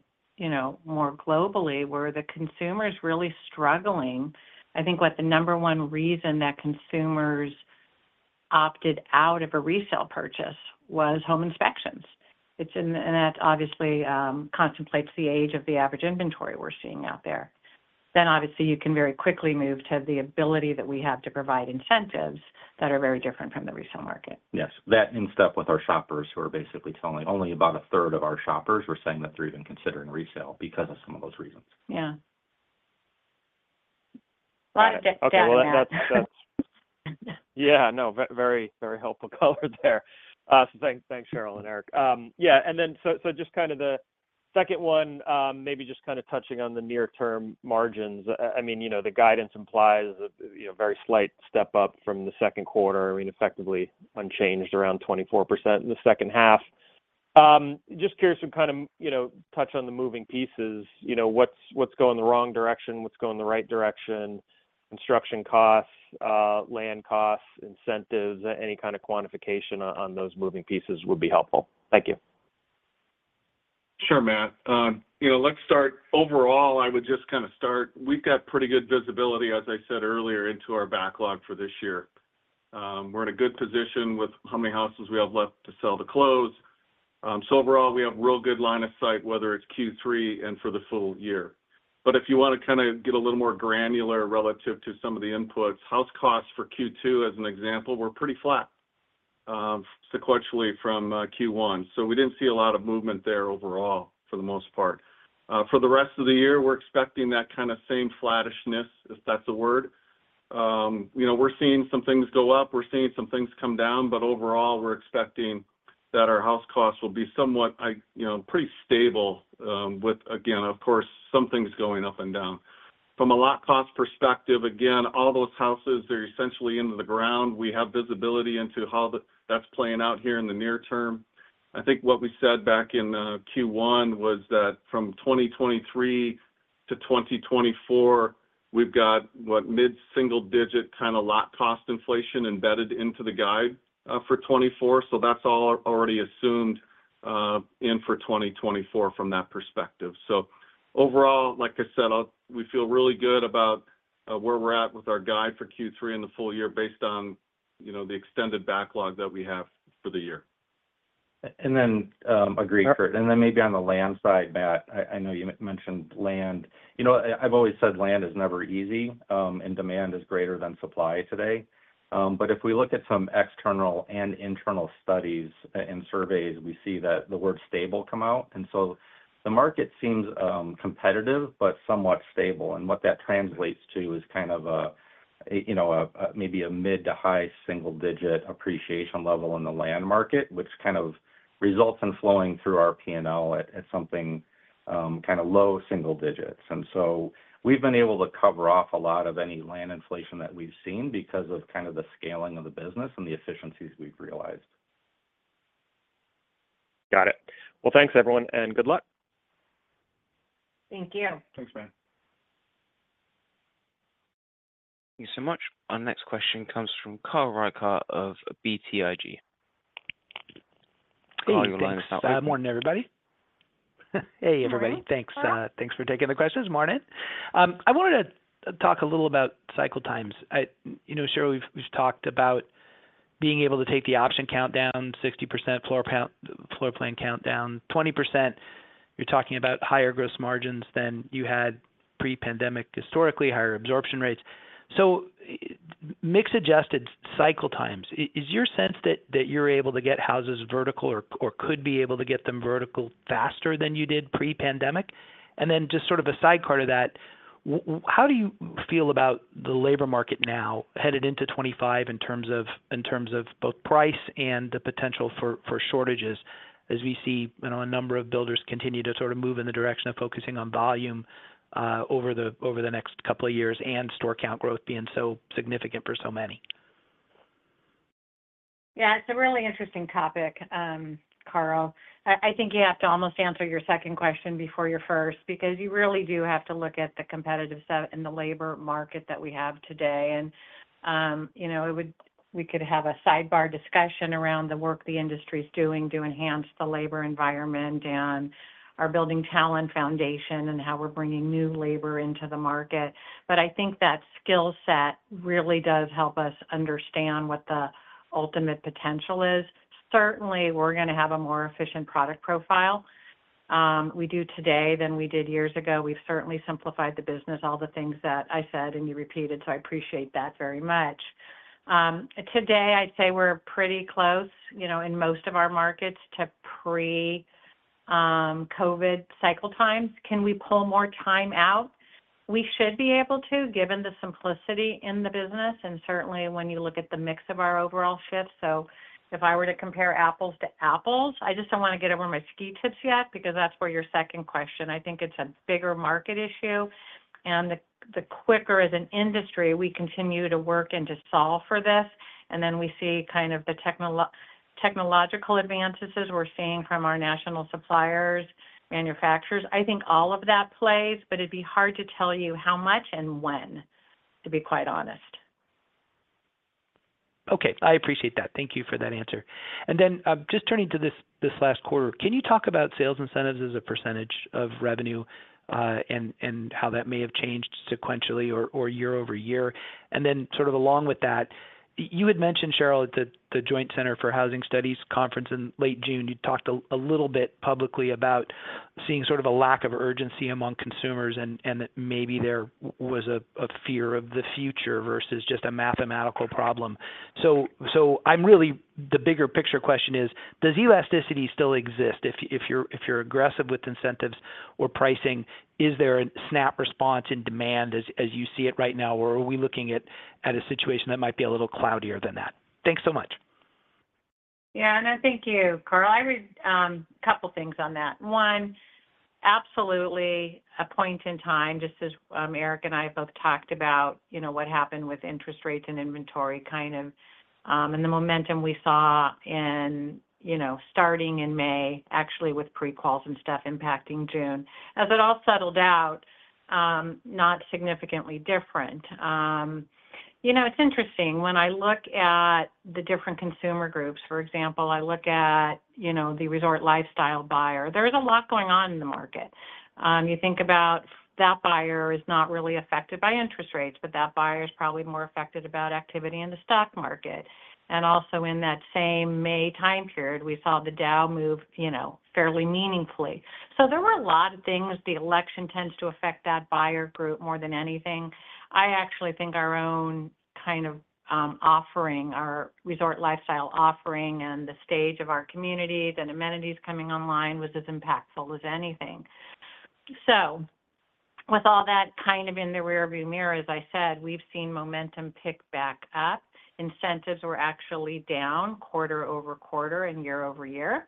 more globally where the consumer is really struggling. I think what the number one reason that consumers opted out of a resale purchase was home inspections. And that obviously contemplates the age of the average inventory we're seeing out there. Then obviously, you can very quickly move to the ability that we have to provide incentives that are very different from the resale market. Yes. That and stuff with our shoppers who are basically telling only about a third of our shoppers are saying that they're even considering resale because of some of those reasons. Yeah. Well, that's. Yeah. No, very helpful color there. Thanks, Sheryl and Erik. Yeah. And then so just kind of the second one, maybe just kind of touching on the near-term margins. I mean, the guidance implies a very slight step up from the Q2. I mean, effectively unchanged around 24% in the second half. Just curious to kind of touch on the moving pieces. What's going the wrong direction? What's going the right direction? Construction costs, land costs, incentives, any kind of quantification on those moving pieces would be helpful. Thank you. Sure, Matt. Let's start overall. I would just kind of start. We've got pretty good visibility, as I said earlier, into our backlog for this year. We're in a good position with how many houses we have left to sell to close. So overall, we have a real good line of sight, whether it's Q3 and for the full year. But if you want to kind of get a little more granular relative to some of the inputs, house costs for Q2, as an example, were pretty flat sequentially from Q1. So we didn't see a lot of movement there overall for the most part. For the rest of the year, we're expecting that kind of same flattishness, if that's a word. We're seeing some things go up. We're seeing some things come down. But overall, we're expecting that our house costs will be somewhat pretty stable with, again, of course, some things going up and down. From a lot cost perspective, again, all those houses, they're essentially into the ground. We have visibility into how that's playing out here in the near term. I think what we said back in Q1 was that from 2023 to 2024, we've got what, mid-single-digit kind of lot cost inflation embedded into the guide for 2024. So that's all already assumed in for 2024 from that perspective. So overall, like I said, we feel really good about where we're at with our guide for Q3 and the full year based on the extended backlog that we have for the year. Then agree for it. Then maybe on the land side, Matt, I know you mentioned land. I've always said land is never easy and demand is greater than supply today. But if we look at some external and internal studies and surveys, we see that the word stable come out. So the market seems competitive but somewhat stable. And what that translates to is kind of maybe a mid to high single-digit appreciation level in the land market, which kind of results in flowing through our P&L at something kind of low single digits. So we've been able to cover off a lot of any land inflation that we've seen because of kind of the scaling of the business and the efficiencies we've realized. Got it. Well, thanks, everyone, and good luck. Thank you. Thanks, Matt. Thank you so much. Our next question comes from Carl Reichardt of BTIG. Hey. Good morning, everybody. Thanks for taking the questions, Morning. I wanted to talk a little about cycle times. Sheryl, we've talked about being able to take the option takedown, 60% floor plan takedown, 20%. You're talking about higher gross margins than you had pre-pandemic historically, higher absorption rates. So mix-adjusted cycle times, is your sense that you're able to get houses vertical or could be able to get them vertical faster than you did pre-pandemic? And then just sort of a side part of that, how do you feel about the labor market now headed into 2025 in terms of both price and the potential for shortages as we see a number of builders continue to sort of move in the direction of focusing on volume over the next couple of years and community count growth being so significant for so many? Yeah. It's a really interesting topic, Carl. I think you have to almost answer your second question before your first because you really do have to look at the competitive set in the labor market that we have today. And we could have a sidebar discussion around the work the industry is doing to enhance the labor environment and our Building Talent Foundation and how we're bringing new labor into the market. But I think that skill set really does help us understand what the ultimate potential is. Certainly, we're going to have a more efficient product profile we do today than we did years ago. We've certainly simplified the business, all the things that I said and you repeated, so I appreciate that very much. Today, I'd say we're pretty close in most of our markets to pre-COVID cycle times. Can we pull more time out? We should be able to, given the simplicity in the business and certainly when you look at the mix of our overall shift. So if I were to compare apples to apples, I just don't want to get ahead of my skis yet because that's where your second question. I think it's a bigger market issue. The quicker as an industry, we continue to work and to solve for this. And then we see kind of the technological advances we're seeing from our national suppliers, manufacturers. I think all of that plays, but it'd be hard to tell you how much and when, to be quite honest. Okay. I appreciate that. Thank you for that answer. And then just turning to this last quarter, can you talk about sales incentives as a percentage of revenue and how that may have changed sequentially or year over year? And then sort of along with that, you had mentioned, Sheryl, at the Joint Center for Housing Studies Conference in late June, you talked a little bit publicly about seeing sort of a lack of urgency among consumers and that maybe there was a fear of the future versus just a mathematical problem. So the bigger picture question is, does elasticity still exist? If you're aggressive with incentives or pricing, is there a snap response in demand as you see it right now, or are we looking at a situation that might be a little cloudier than that? Thanks so much. Yeah. No, thank you, Carl. I read a couple of things on that. One, absolutely a point in time, just as Erik and I have both talked about what happened with interest rates and inventory kind of and the momentum we saw in starting in May, actually with pre-quals and stuff impacting June. As it all settled out, not significantly different. It's interesting. When I look at the different consumer groups, for example, I look at the Resort Lifestyle buyer. There's a lot going on in the market. You think about that buyer is not really affected by interest rates, but that buyer is probably more affected about activity in the stock market. And also in that same May time period, we saw the Dow move fairly meaningfully. So there were a lot of things. The election tends to affect that buyer group more than anything. I actually think our own kind of offering, our Resort Lifestyle offering and the stage of our community and amenities coming online was as impactful as anything. So with all that kind of in the rearview mirror, as I said, we've seen momentum pick back up. Incentives were actually down quarter-over-quarter and year-over-year.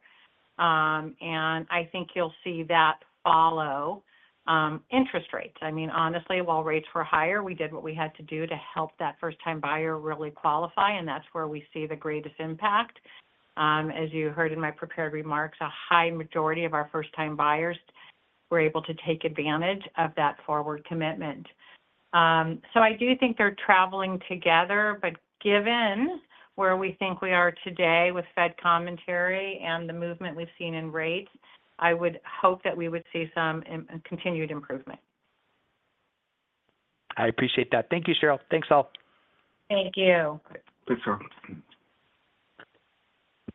And I think you'll see that follow interest rates. I mean, honestly, while rates were higher, we did what we had to do to help that first-time buyer really qualify. And that's where we see the greatest impact. As you heard in my prepared remarks, a high majority of our first-time buyers were able to take advantage of that forward commitment. So I do think they're traveling together. But given where we think we are today with Fed commentary and the movement we've seen in rates, I would hope that we would see some continued improvement. I appreciate that. Thank you, Sheryl. Thanks, all. Thank you. Thanks, Carl.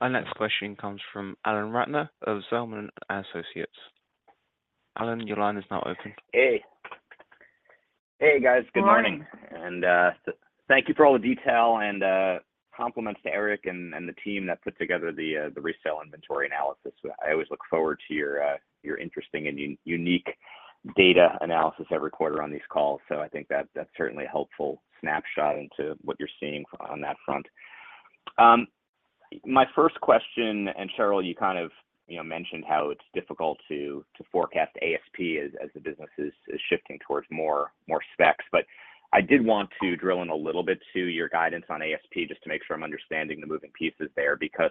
Our next question comes from Alan Ratner of Zelman & Associates. Alan, your line is now open. Hey. Hey, guys. Good morning. And thank you for all the detail and compliments to Erik and the team that put together the resale inventory analysis. I always look forward to your interesting and unique data analysis every quarter on these calls. So I think that's certainly a helpful snapshot into what you're seeing on that front. My first question, and Sheryl, you kind of mentioned how it's difficult to forecast ASP as the business is shifting towards more specs. But I did want to drill in a little bit to your guidance on ASP just to make sure I'm understanding the moving pieces there because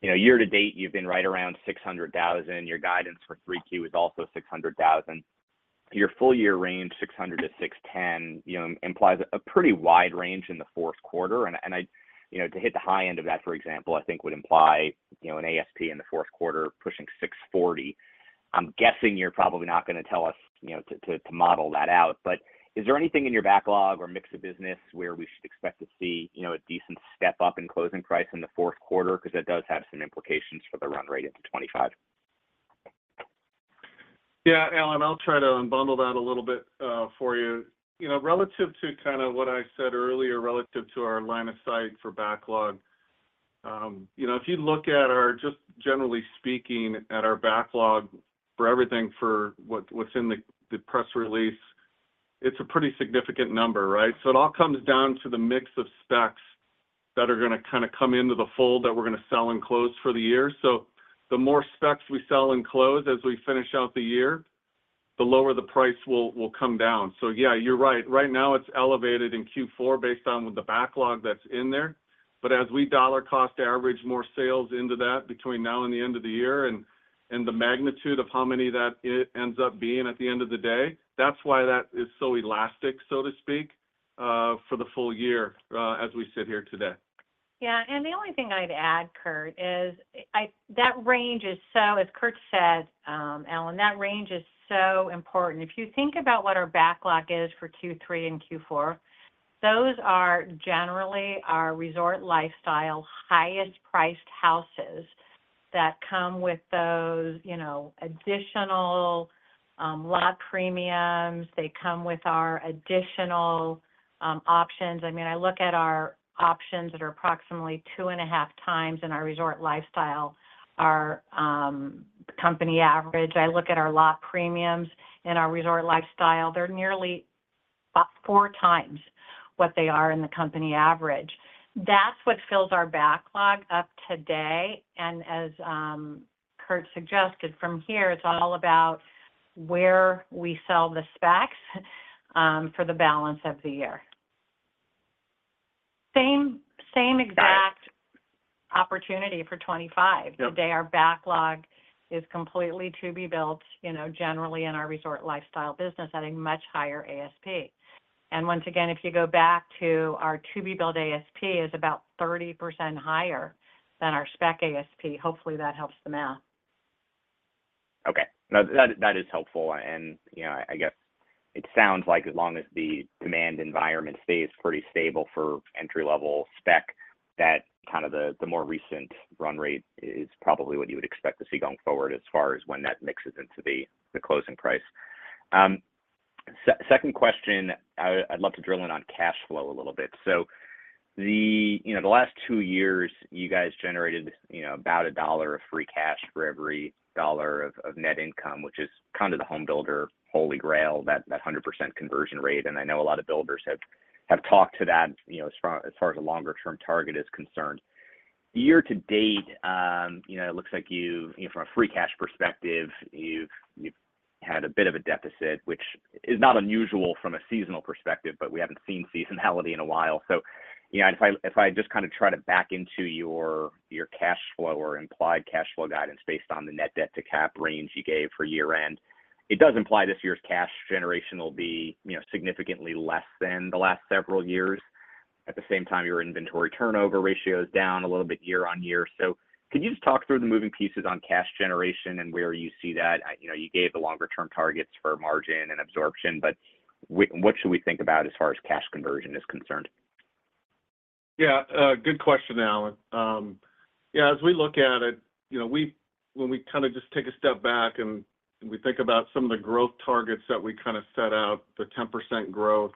year to date, you've been right around $600,000. Your guidance for Q3 is also $600,000. Your full-year range, $600,000 to $610,000, implies a pretty wide range in the Q4. To hit the high end of that, for example, I think would imply an ASP in the Q4 pushing $640. I'm guessing you're probably not going to tell us to model that out. Is there anything in your backlog or mix of business where we should expect to see a decent step up in closing price in the Q4 because that does have some implications for the run rate into 2025? Yeah, Alan, I'll try to unbundle that a little bit for you. Relative to kind of what I said earlier, relative to our line of sight for backlog, if you look at our just generally speaking at our backlog for everything for what's in the press release, it's a pretty significant number, right? So it all comes down to the mix of specs that are going to kind of come into the fold that we're going to sell and close for the year. So the more specs we sell and close as we finish out the year, the lower the price will come down. So yeah, you're right. Right now, it's elevated in Q4 based on the backlog that's in there. But as we dollar-cost average more sales into that between now and the end of the year and the magnitude of how many that ends up being at the end of the day, that's why that is so elastic, so to speak, for the full year as we sit here today. Yeah. The only thing I'd add, Curt, is that range is so, as Curt said, Alan, that range is so important. If you think about what our backlog is for Q3 and Q4, those are generally our Resort Lifestyle highest-priced houses that come with those additional lot premiums. They come with our additional options. I mean, I look at our options that are approximately 2.5x in our Resort Lifestyle, our company average. I look at our lot premiums in our Resort Lifestyle. They're nearly about 4x what they are in the company average. That's what fills our backlog up today. And as Curt suggested, from here, it's all about where we sell the specs for the balance of the year. Same exact opportunity for 2025. Today, our backlog is completely to-be-built generally in our Resort Lifestyle business at a much higher ASP. Once again, if you go back to our to-be-built ASP, it is about 30% higher than our spec ASP. Hopefully, that helps the math. Okay. No, that is helpful. I guess it sounds like as long as the demand environment stays pretty stable for entry-level spec, that kind of the more recent run rate is probably what you would expect to see going forward as far as when that mixes into the closing price. Second question, I'd love to drill in on cash flow a little bit. The last two years, you guys generated about $1 of free cash for every $1 of net income, which is kind of the home builder holy grail, that 100% conversion rate. I know a lot of builders have talked to that as far as a longer-term target is concerned. Year to date, it looks like from a free cash perspective, you've had a bit of a deficit, which is not unusual from a seasonal perspective, but we haven't seen seasonality in a while. So if I just kind of try to back into your cash flow or implied cash flow guidance based on the net debt to cap range you gave for year-end, it does imply this year's cash generation will be significantly less than the last several years. At the same time, your inventory turnover ratio is down a little bit year-over-year. So could you just talk through the moving pieces on cash generation and where you see that? You gave the longer-term targets for margin and absorption, but what should we think about as far as cash conversion is concerned? Yeah. Good question, Alan. Yeah, as we look at it, when we kind of just take a step back and we think about some of the growth targets that we kind of set out, the 10% growth,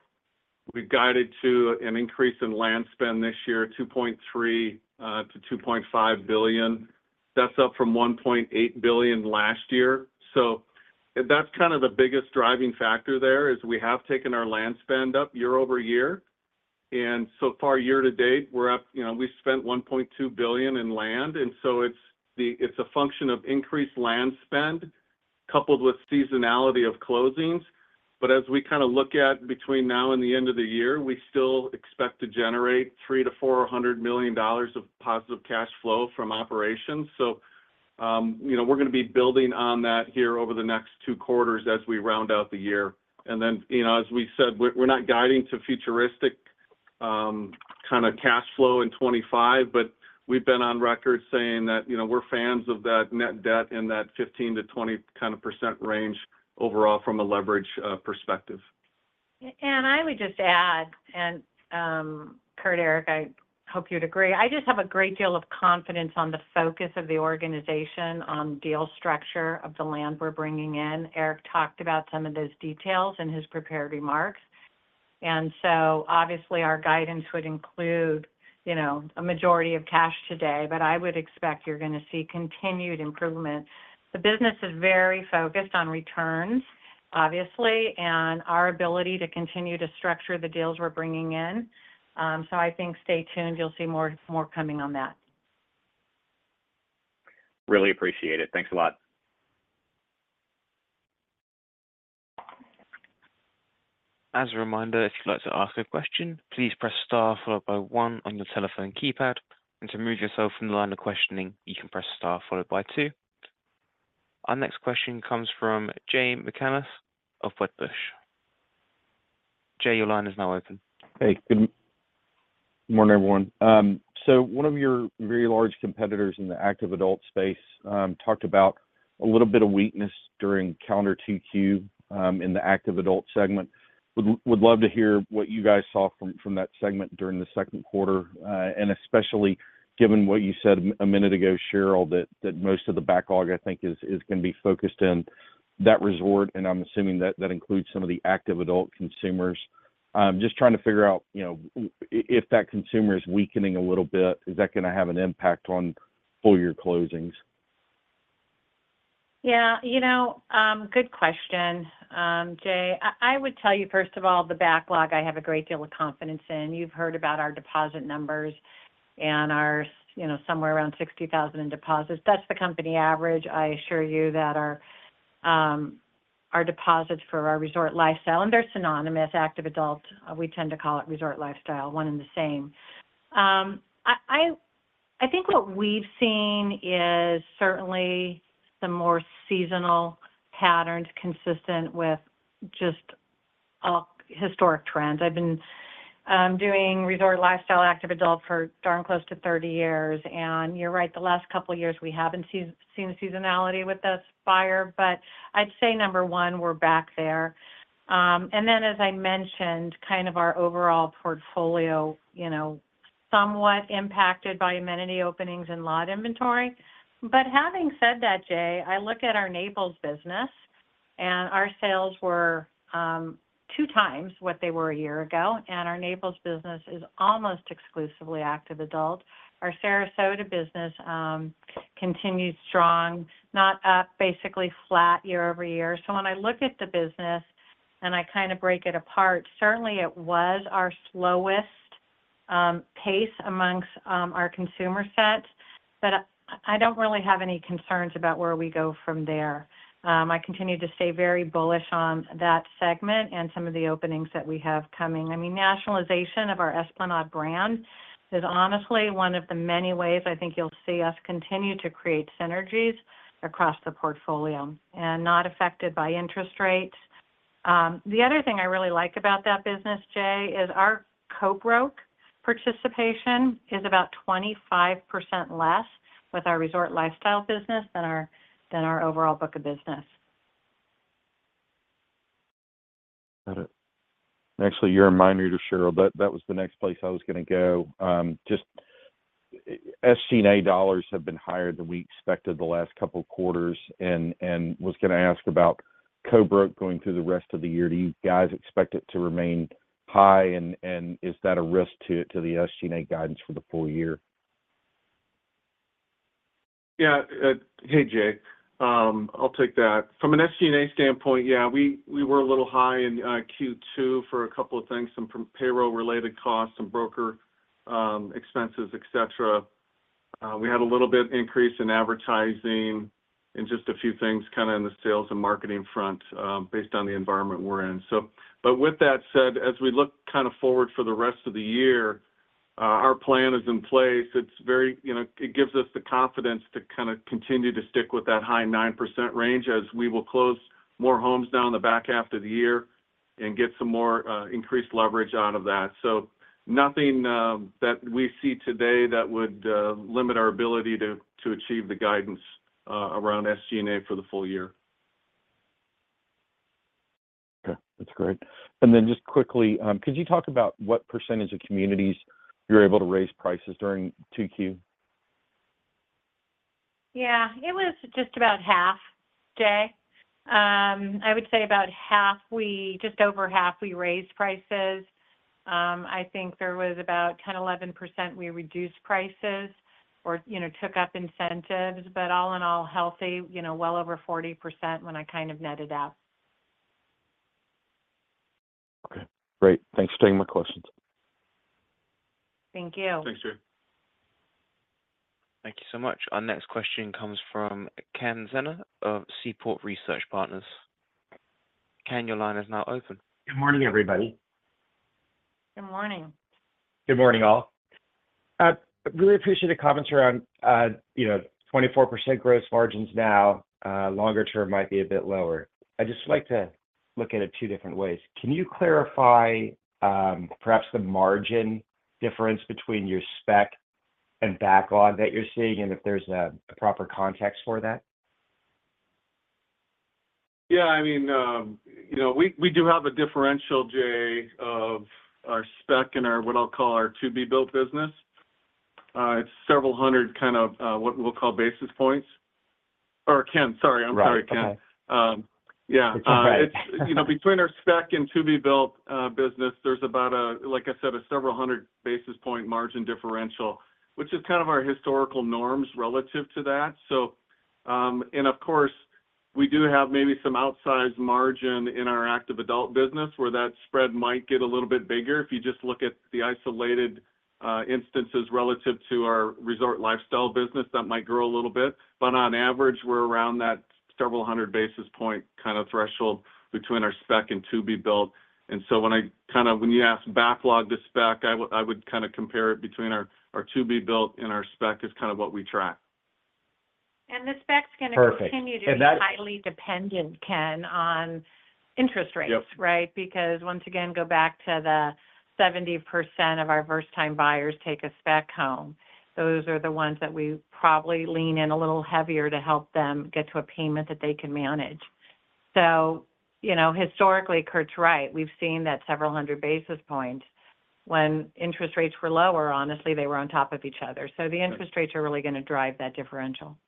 we've guided to an increase in land spend this year, $2.3 billion to $2.5 billion. That's up from $1.8 billion last year. So that's kind of the biggest driving factor there is we have taken our land spend up year-over-year. And so far, year to date, we spent $1.2 billion in land. And so it's a function of increased land spend coupled with seasonality of closings. But as we kind of look at between now and the end of the year, we still expect to generate $300 million to $400 million of positive cash flow from operations. We're going to be building on that here over the next 2 quarters as we round out the year. Then, as we said, we're not guiding to futuristic kind of cash flow in 2025, but we've been on record saying that we're fans of that net debt in that 15% to 20% range overall from a leverage perspective. I would just add, and Curt, Erik, I hope you'd agree. I just have a great deal of confidence on the focus of the organization on deal structure of the land we're bringing in. Erik talked about some of those details in his prepared remarks. So obviously, our guidance would include a majority of cash today, but I would expect you're going to see continued improvement. The business is very focused on returns, obviously, and our ability to continue to structure the deals we're bringing in. I think stay tuned. You'll see more coming on that. Really appreciate it. Thanks a lot. As a reminder, if you'd like to ask a question, please press star followed by one on your telephone keypad. And to move yourself from the line of questioning, you can press star followed by two. Our next question comes from Jay McCanless of Wedbush. Jay, your line is now open. Hey. Good morning, everyone. So one of your very large competitors in the active adult space talked about a little bit of weakness during calendar Q2 in the active adult segment. Would love to hear what you guys saw from that segment during the Q2. And especially given what you said a minute ago, Sheryl, that most of the backlog, I think, is going to be focused in that resort. And I'm assuming that that includes some of the active adult consumers. Just trying to figure out if that consumer is weakening a little bit? Is that going to have an impact on full-year closings? Yeah. Good question, Jay. I would tell you, first of all, the backlog I have a great deal of confidence in. You've heard about our deposit numbers and our somewhere around $60,000 in deposits. That's the company average. I assure you that our deposits for our Resort Lifestyle, and they're synonymous. Active adult, we tend to call it Resort Lifestyle, one and the same. I think what we've seen is certainly the more seasonal patterns consistent with just historic trends. I've been doing Resort Lifestyle active adult for darn close to 30 years. And you're right, the last couple of years, we haven't seen seasonality with this buyer. But I'd say number one, we're back there. And then, as I mentioned, kind of our overall portfolio somewhat impacted by amenity openings and lot inventory. But having said that, Jay, I look at our Naples business, and our sales were 2 times what they were a year ago. And our Naples business is almost exclusively active adult. Our Sarasota business continues strong, not up, basically flat year-over-year. So when I look at the business and I kind of break it apart, certainly it was our slowest pace amongst our consumer set. But I don't really have any concerns about where we go from there. I continue to stay very bullish on that segment and some of the openings that we have coming. I mean, nationalization of our Esplanade brand is honestly one of the many ways I think you'll see us continue to create synergies across the portfolio and not affected by interest rates. The other thing I really like about that business, Jay, is our co-broke participation is about 25% less with our Resort Lifestyle business than our overall book of business. Got it. Actually, you're a minor, Sheryl. That was the next place I was going to go. Just SG&A dollars have been higher than we expected the last couple of quarters. And was going to ask about co-broke going through the rest of the year. Do you guys expect it to remain high? And is that a risk to the SG&A guidance for the full year? Yeah. Hey, Jay. I'll take that. From an SG&A standpoint, yeah, we were a little high in Q2 for a couple of things, some payroll-related costs, some broker expenses, etc. We had a little bit increase in advertising and just a few things kind of in the sales and marketing front based on the environment we're in. But with that said, as we look kind of forward for the rest of the year, our plan is in place. It gives us the confidence to kind of continue to stick with that high 9% range as we will close more homes down the back after the year and get some more increased leverage out of that. So nothing that we see today that would limit our ability to achieve the guidance around SG&A for the full year. Okay. That's great. And then just quickly, could you talk about what percentage of communities you're able to raise prices during Q2? Yeah. It was just about half, Jay. I would say about half, just over half, we raised prices. I think there was about 10% to 11% we reduced prices or took up incentives. But all in all, healthy, well over 40% when I kind of netted out. Okay. Great. Thanks for taking my questions. Thank you. Thanks, Jay. Thank you so much. Our next question comes from Ken Zener of Seaport Research Partners. Ken, your line is now open. Good morning, everybody. Good morning. Good morning, all. Really appreciate the comments around 24% gross margins now. Longer term might be a bit lower. I'd just like to look at it two different ways. Can you clarify perhaps the margin difference between your spec and backlog that you're seeing and if there's a proper context for that? Yeah. I mean, we do have a differential, Jay, of our spec and what I'll call our to-be- built business. It's several hundred kind of what we'll call basis points. Or Ken, sorry. I'm sorry, Ken. That's okay. Yeah. It's between our spec and to-be-built business. There's about, like I said, a several hundred basis point margin differential, which is kind of our historical norms relative to that. And of course, we do have maybe some outsized margin in our active adult business where that spread might get a little bit bigger if you just look at the isolated instances relative to our Resort Lifestyle business. That might grow a little bit. But on average, we're around that several hundred basis point kind of threshold between our spec and to-be-built. And so when you ask backlog to spec, I would kind of compare it between our to-be-built and our spec is kind of what we track. The spec's going to continue. Perfect. That's. To be highly dependent, Ken, on interest rates, right? Because once again, go back to the 70% of our first-time buyers take a spec home. Those are the ones that we probably lean in a little heavier to help them get to a payment that they can manage. So historically, Curt's right. We've seen that several hundred basis points. When interest rates were lower, honestly, they were on top of each other. So the interest rates are really going to drive that differential.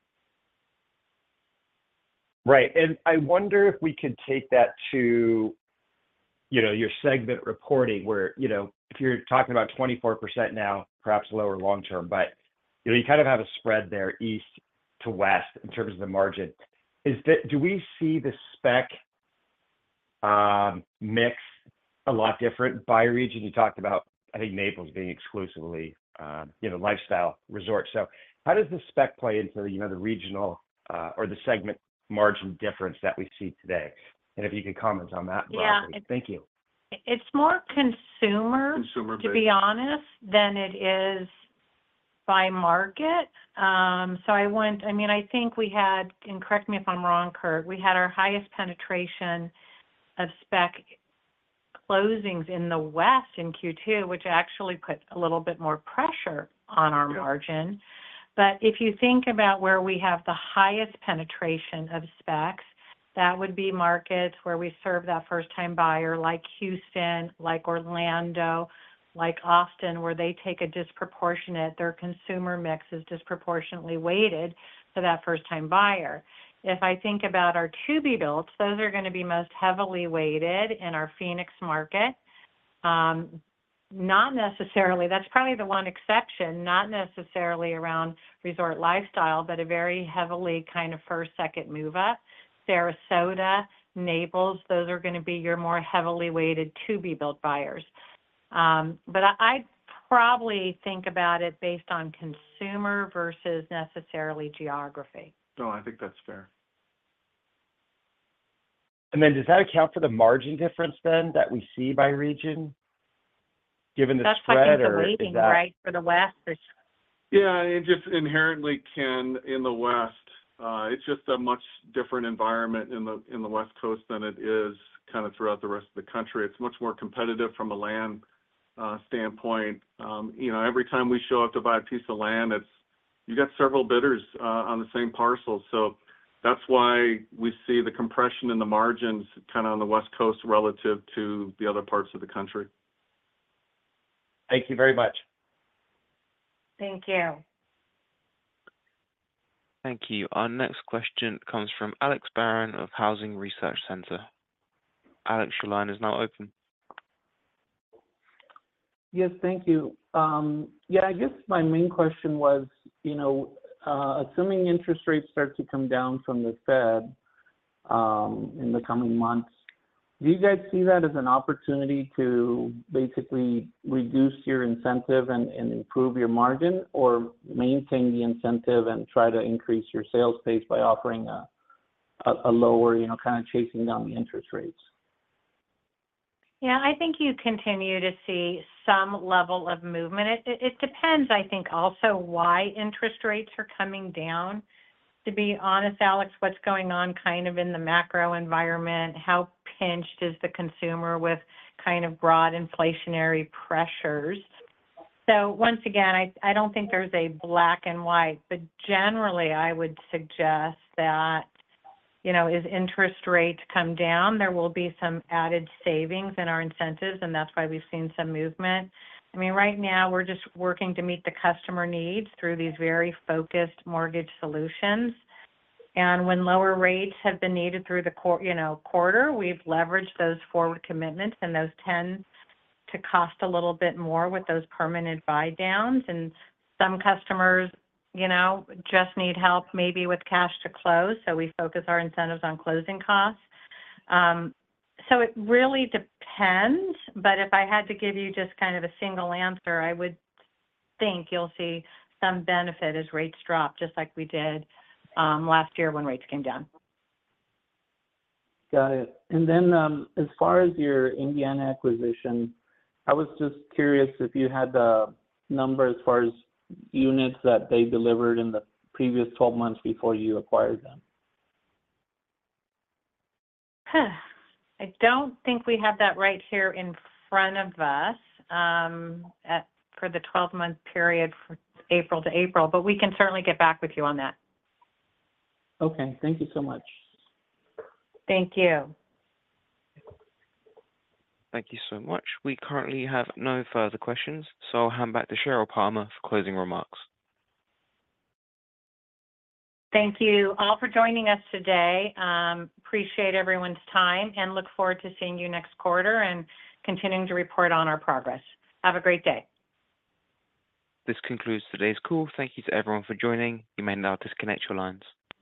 Right. I wonder if we could take that to your segment reporting where if you're talking about 24% now, perhaps lower long-term, but you kind of have a spread there East to West in terms of the margin. Do we see the spec mix a lot different by region? You talked about, I think, Naples being exclusively lifestyle resort. So how does the spec play into the regional or the segment margin difference that we see today? And if you could comment on that, but. Yeah. Thank you. It's more consumer. Consumer-based. To be honest, than it is by market. So I mean, I think we had, and correct me if I'm wrong, Curt, we had our highest penetration of spec closings in the West in Q2, which actually put a little bit more pressure on our margin. But if you think about where we have the highest penetration of specs, that would be markets where we serve that first-time buyer like Houston, like Orlando, like Austin, where they take a disproportionate their consumer mix is disproportionately weighted for that first-time buyer. If I think about our to-be-builts, those are going to be most heavily weighted in our Phoenix market. That's probably the one exception, not necessarily around Resort Lifestyle, but a very heavily kind of first, second move-up. Sarasota, Naples, those are going to be your more heavily weighted to-be-built buyers. I'd probably think about it based on consumer versus necessarily geography. No, I think that's fair. Does that account for the margin difference then that we see by region, given the spread or the? That's what I'm debating, right, for the West. Yeah. Just inherently, Ken, in the West, it's just a much different environment in the West Coast than it is kind of throughout the rest of the country. It's much more competitive from a land standpoint. Every time we show up to buy a piece of land, you got several bidders on the same parcel. So that's why we see the compression in the margins kind of on the West Coast relative to the other parts of the country. Thank you very much. Thank you. Thank you. Our next question comes from Alex Barron of Housing Research Center. Alex, your line is now open. Yes, thank you. Yeah, I guess my main question was, assuming interest rates start to come down from the Fed in the coming months, do you guys see that as an opportunity to basically reduce your incentive and improve your margin or maintain the incentive and try to increase your sales pace by offering a lower kind of chasing down the interest rates? Yeah. I think you continue to see some level of movement. It depends, I think, also why interest rates are coming down. To be honest, Alex, what's going on kind of in the macro environment, how pinched is the consumer with kind of broad inflationary pressures? So once again, I don't think there's a black and white, but generally, I would suggest that as interest rates come down, there will be some added savings in our incentives, and that's why we've seen some movement. I mean, right now, we're just working to meet the customer needs through these very focused mortgage solutions. And when lower rates have been needed through the quarter, we've leveraged those forward commitments and those tend to cost a little bit more with those permanent buy-downs. And some customers just need help maybe with cash to close, so we focus our incentives on closing costs. It really depends. If I had to give you just kind of a single answer, I would think you'll see some benefit as rates drop, just like we did last year when rates came down. Got it. And then as far as your Indiana acquisition, I was just curious if you had the number as far as units that they delivered in the previous 12 months before you acquired them? I don't think we have that right here in front of us for the 12 month period from April to April, but we can certainly get back with you on that. Okay. Thank you so much. Thank you. Thank you so much. We currently have no further questions, so I'll hand back to Sheryl Palmer for closing remarks. Thank you all for joining us today. Appreciate everyone's time and look forward to seeing you next quarter and continuing to report on our progress. Have a great day. This concludes today's call. Thank you to everyone for joining. You may now disconnect your lines.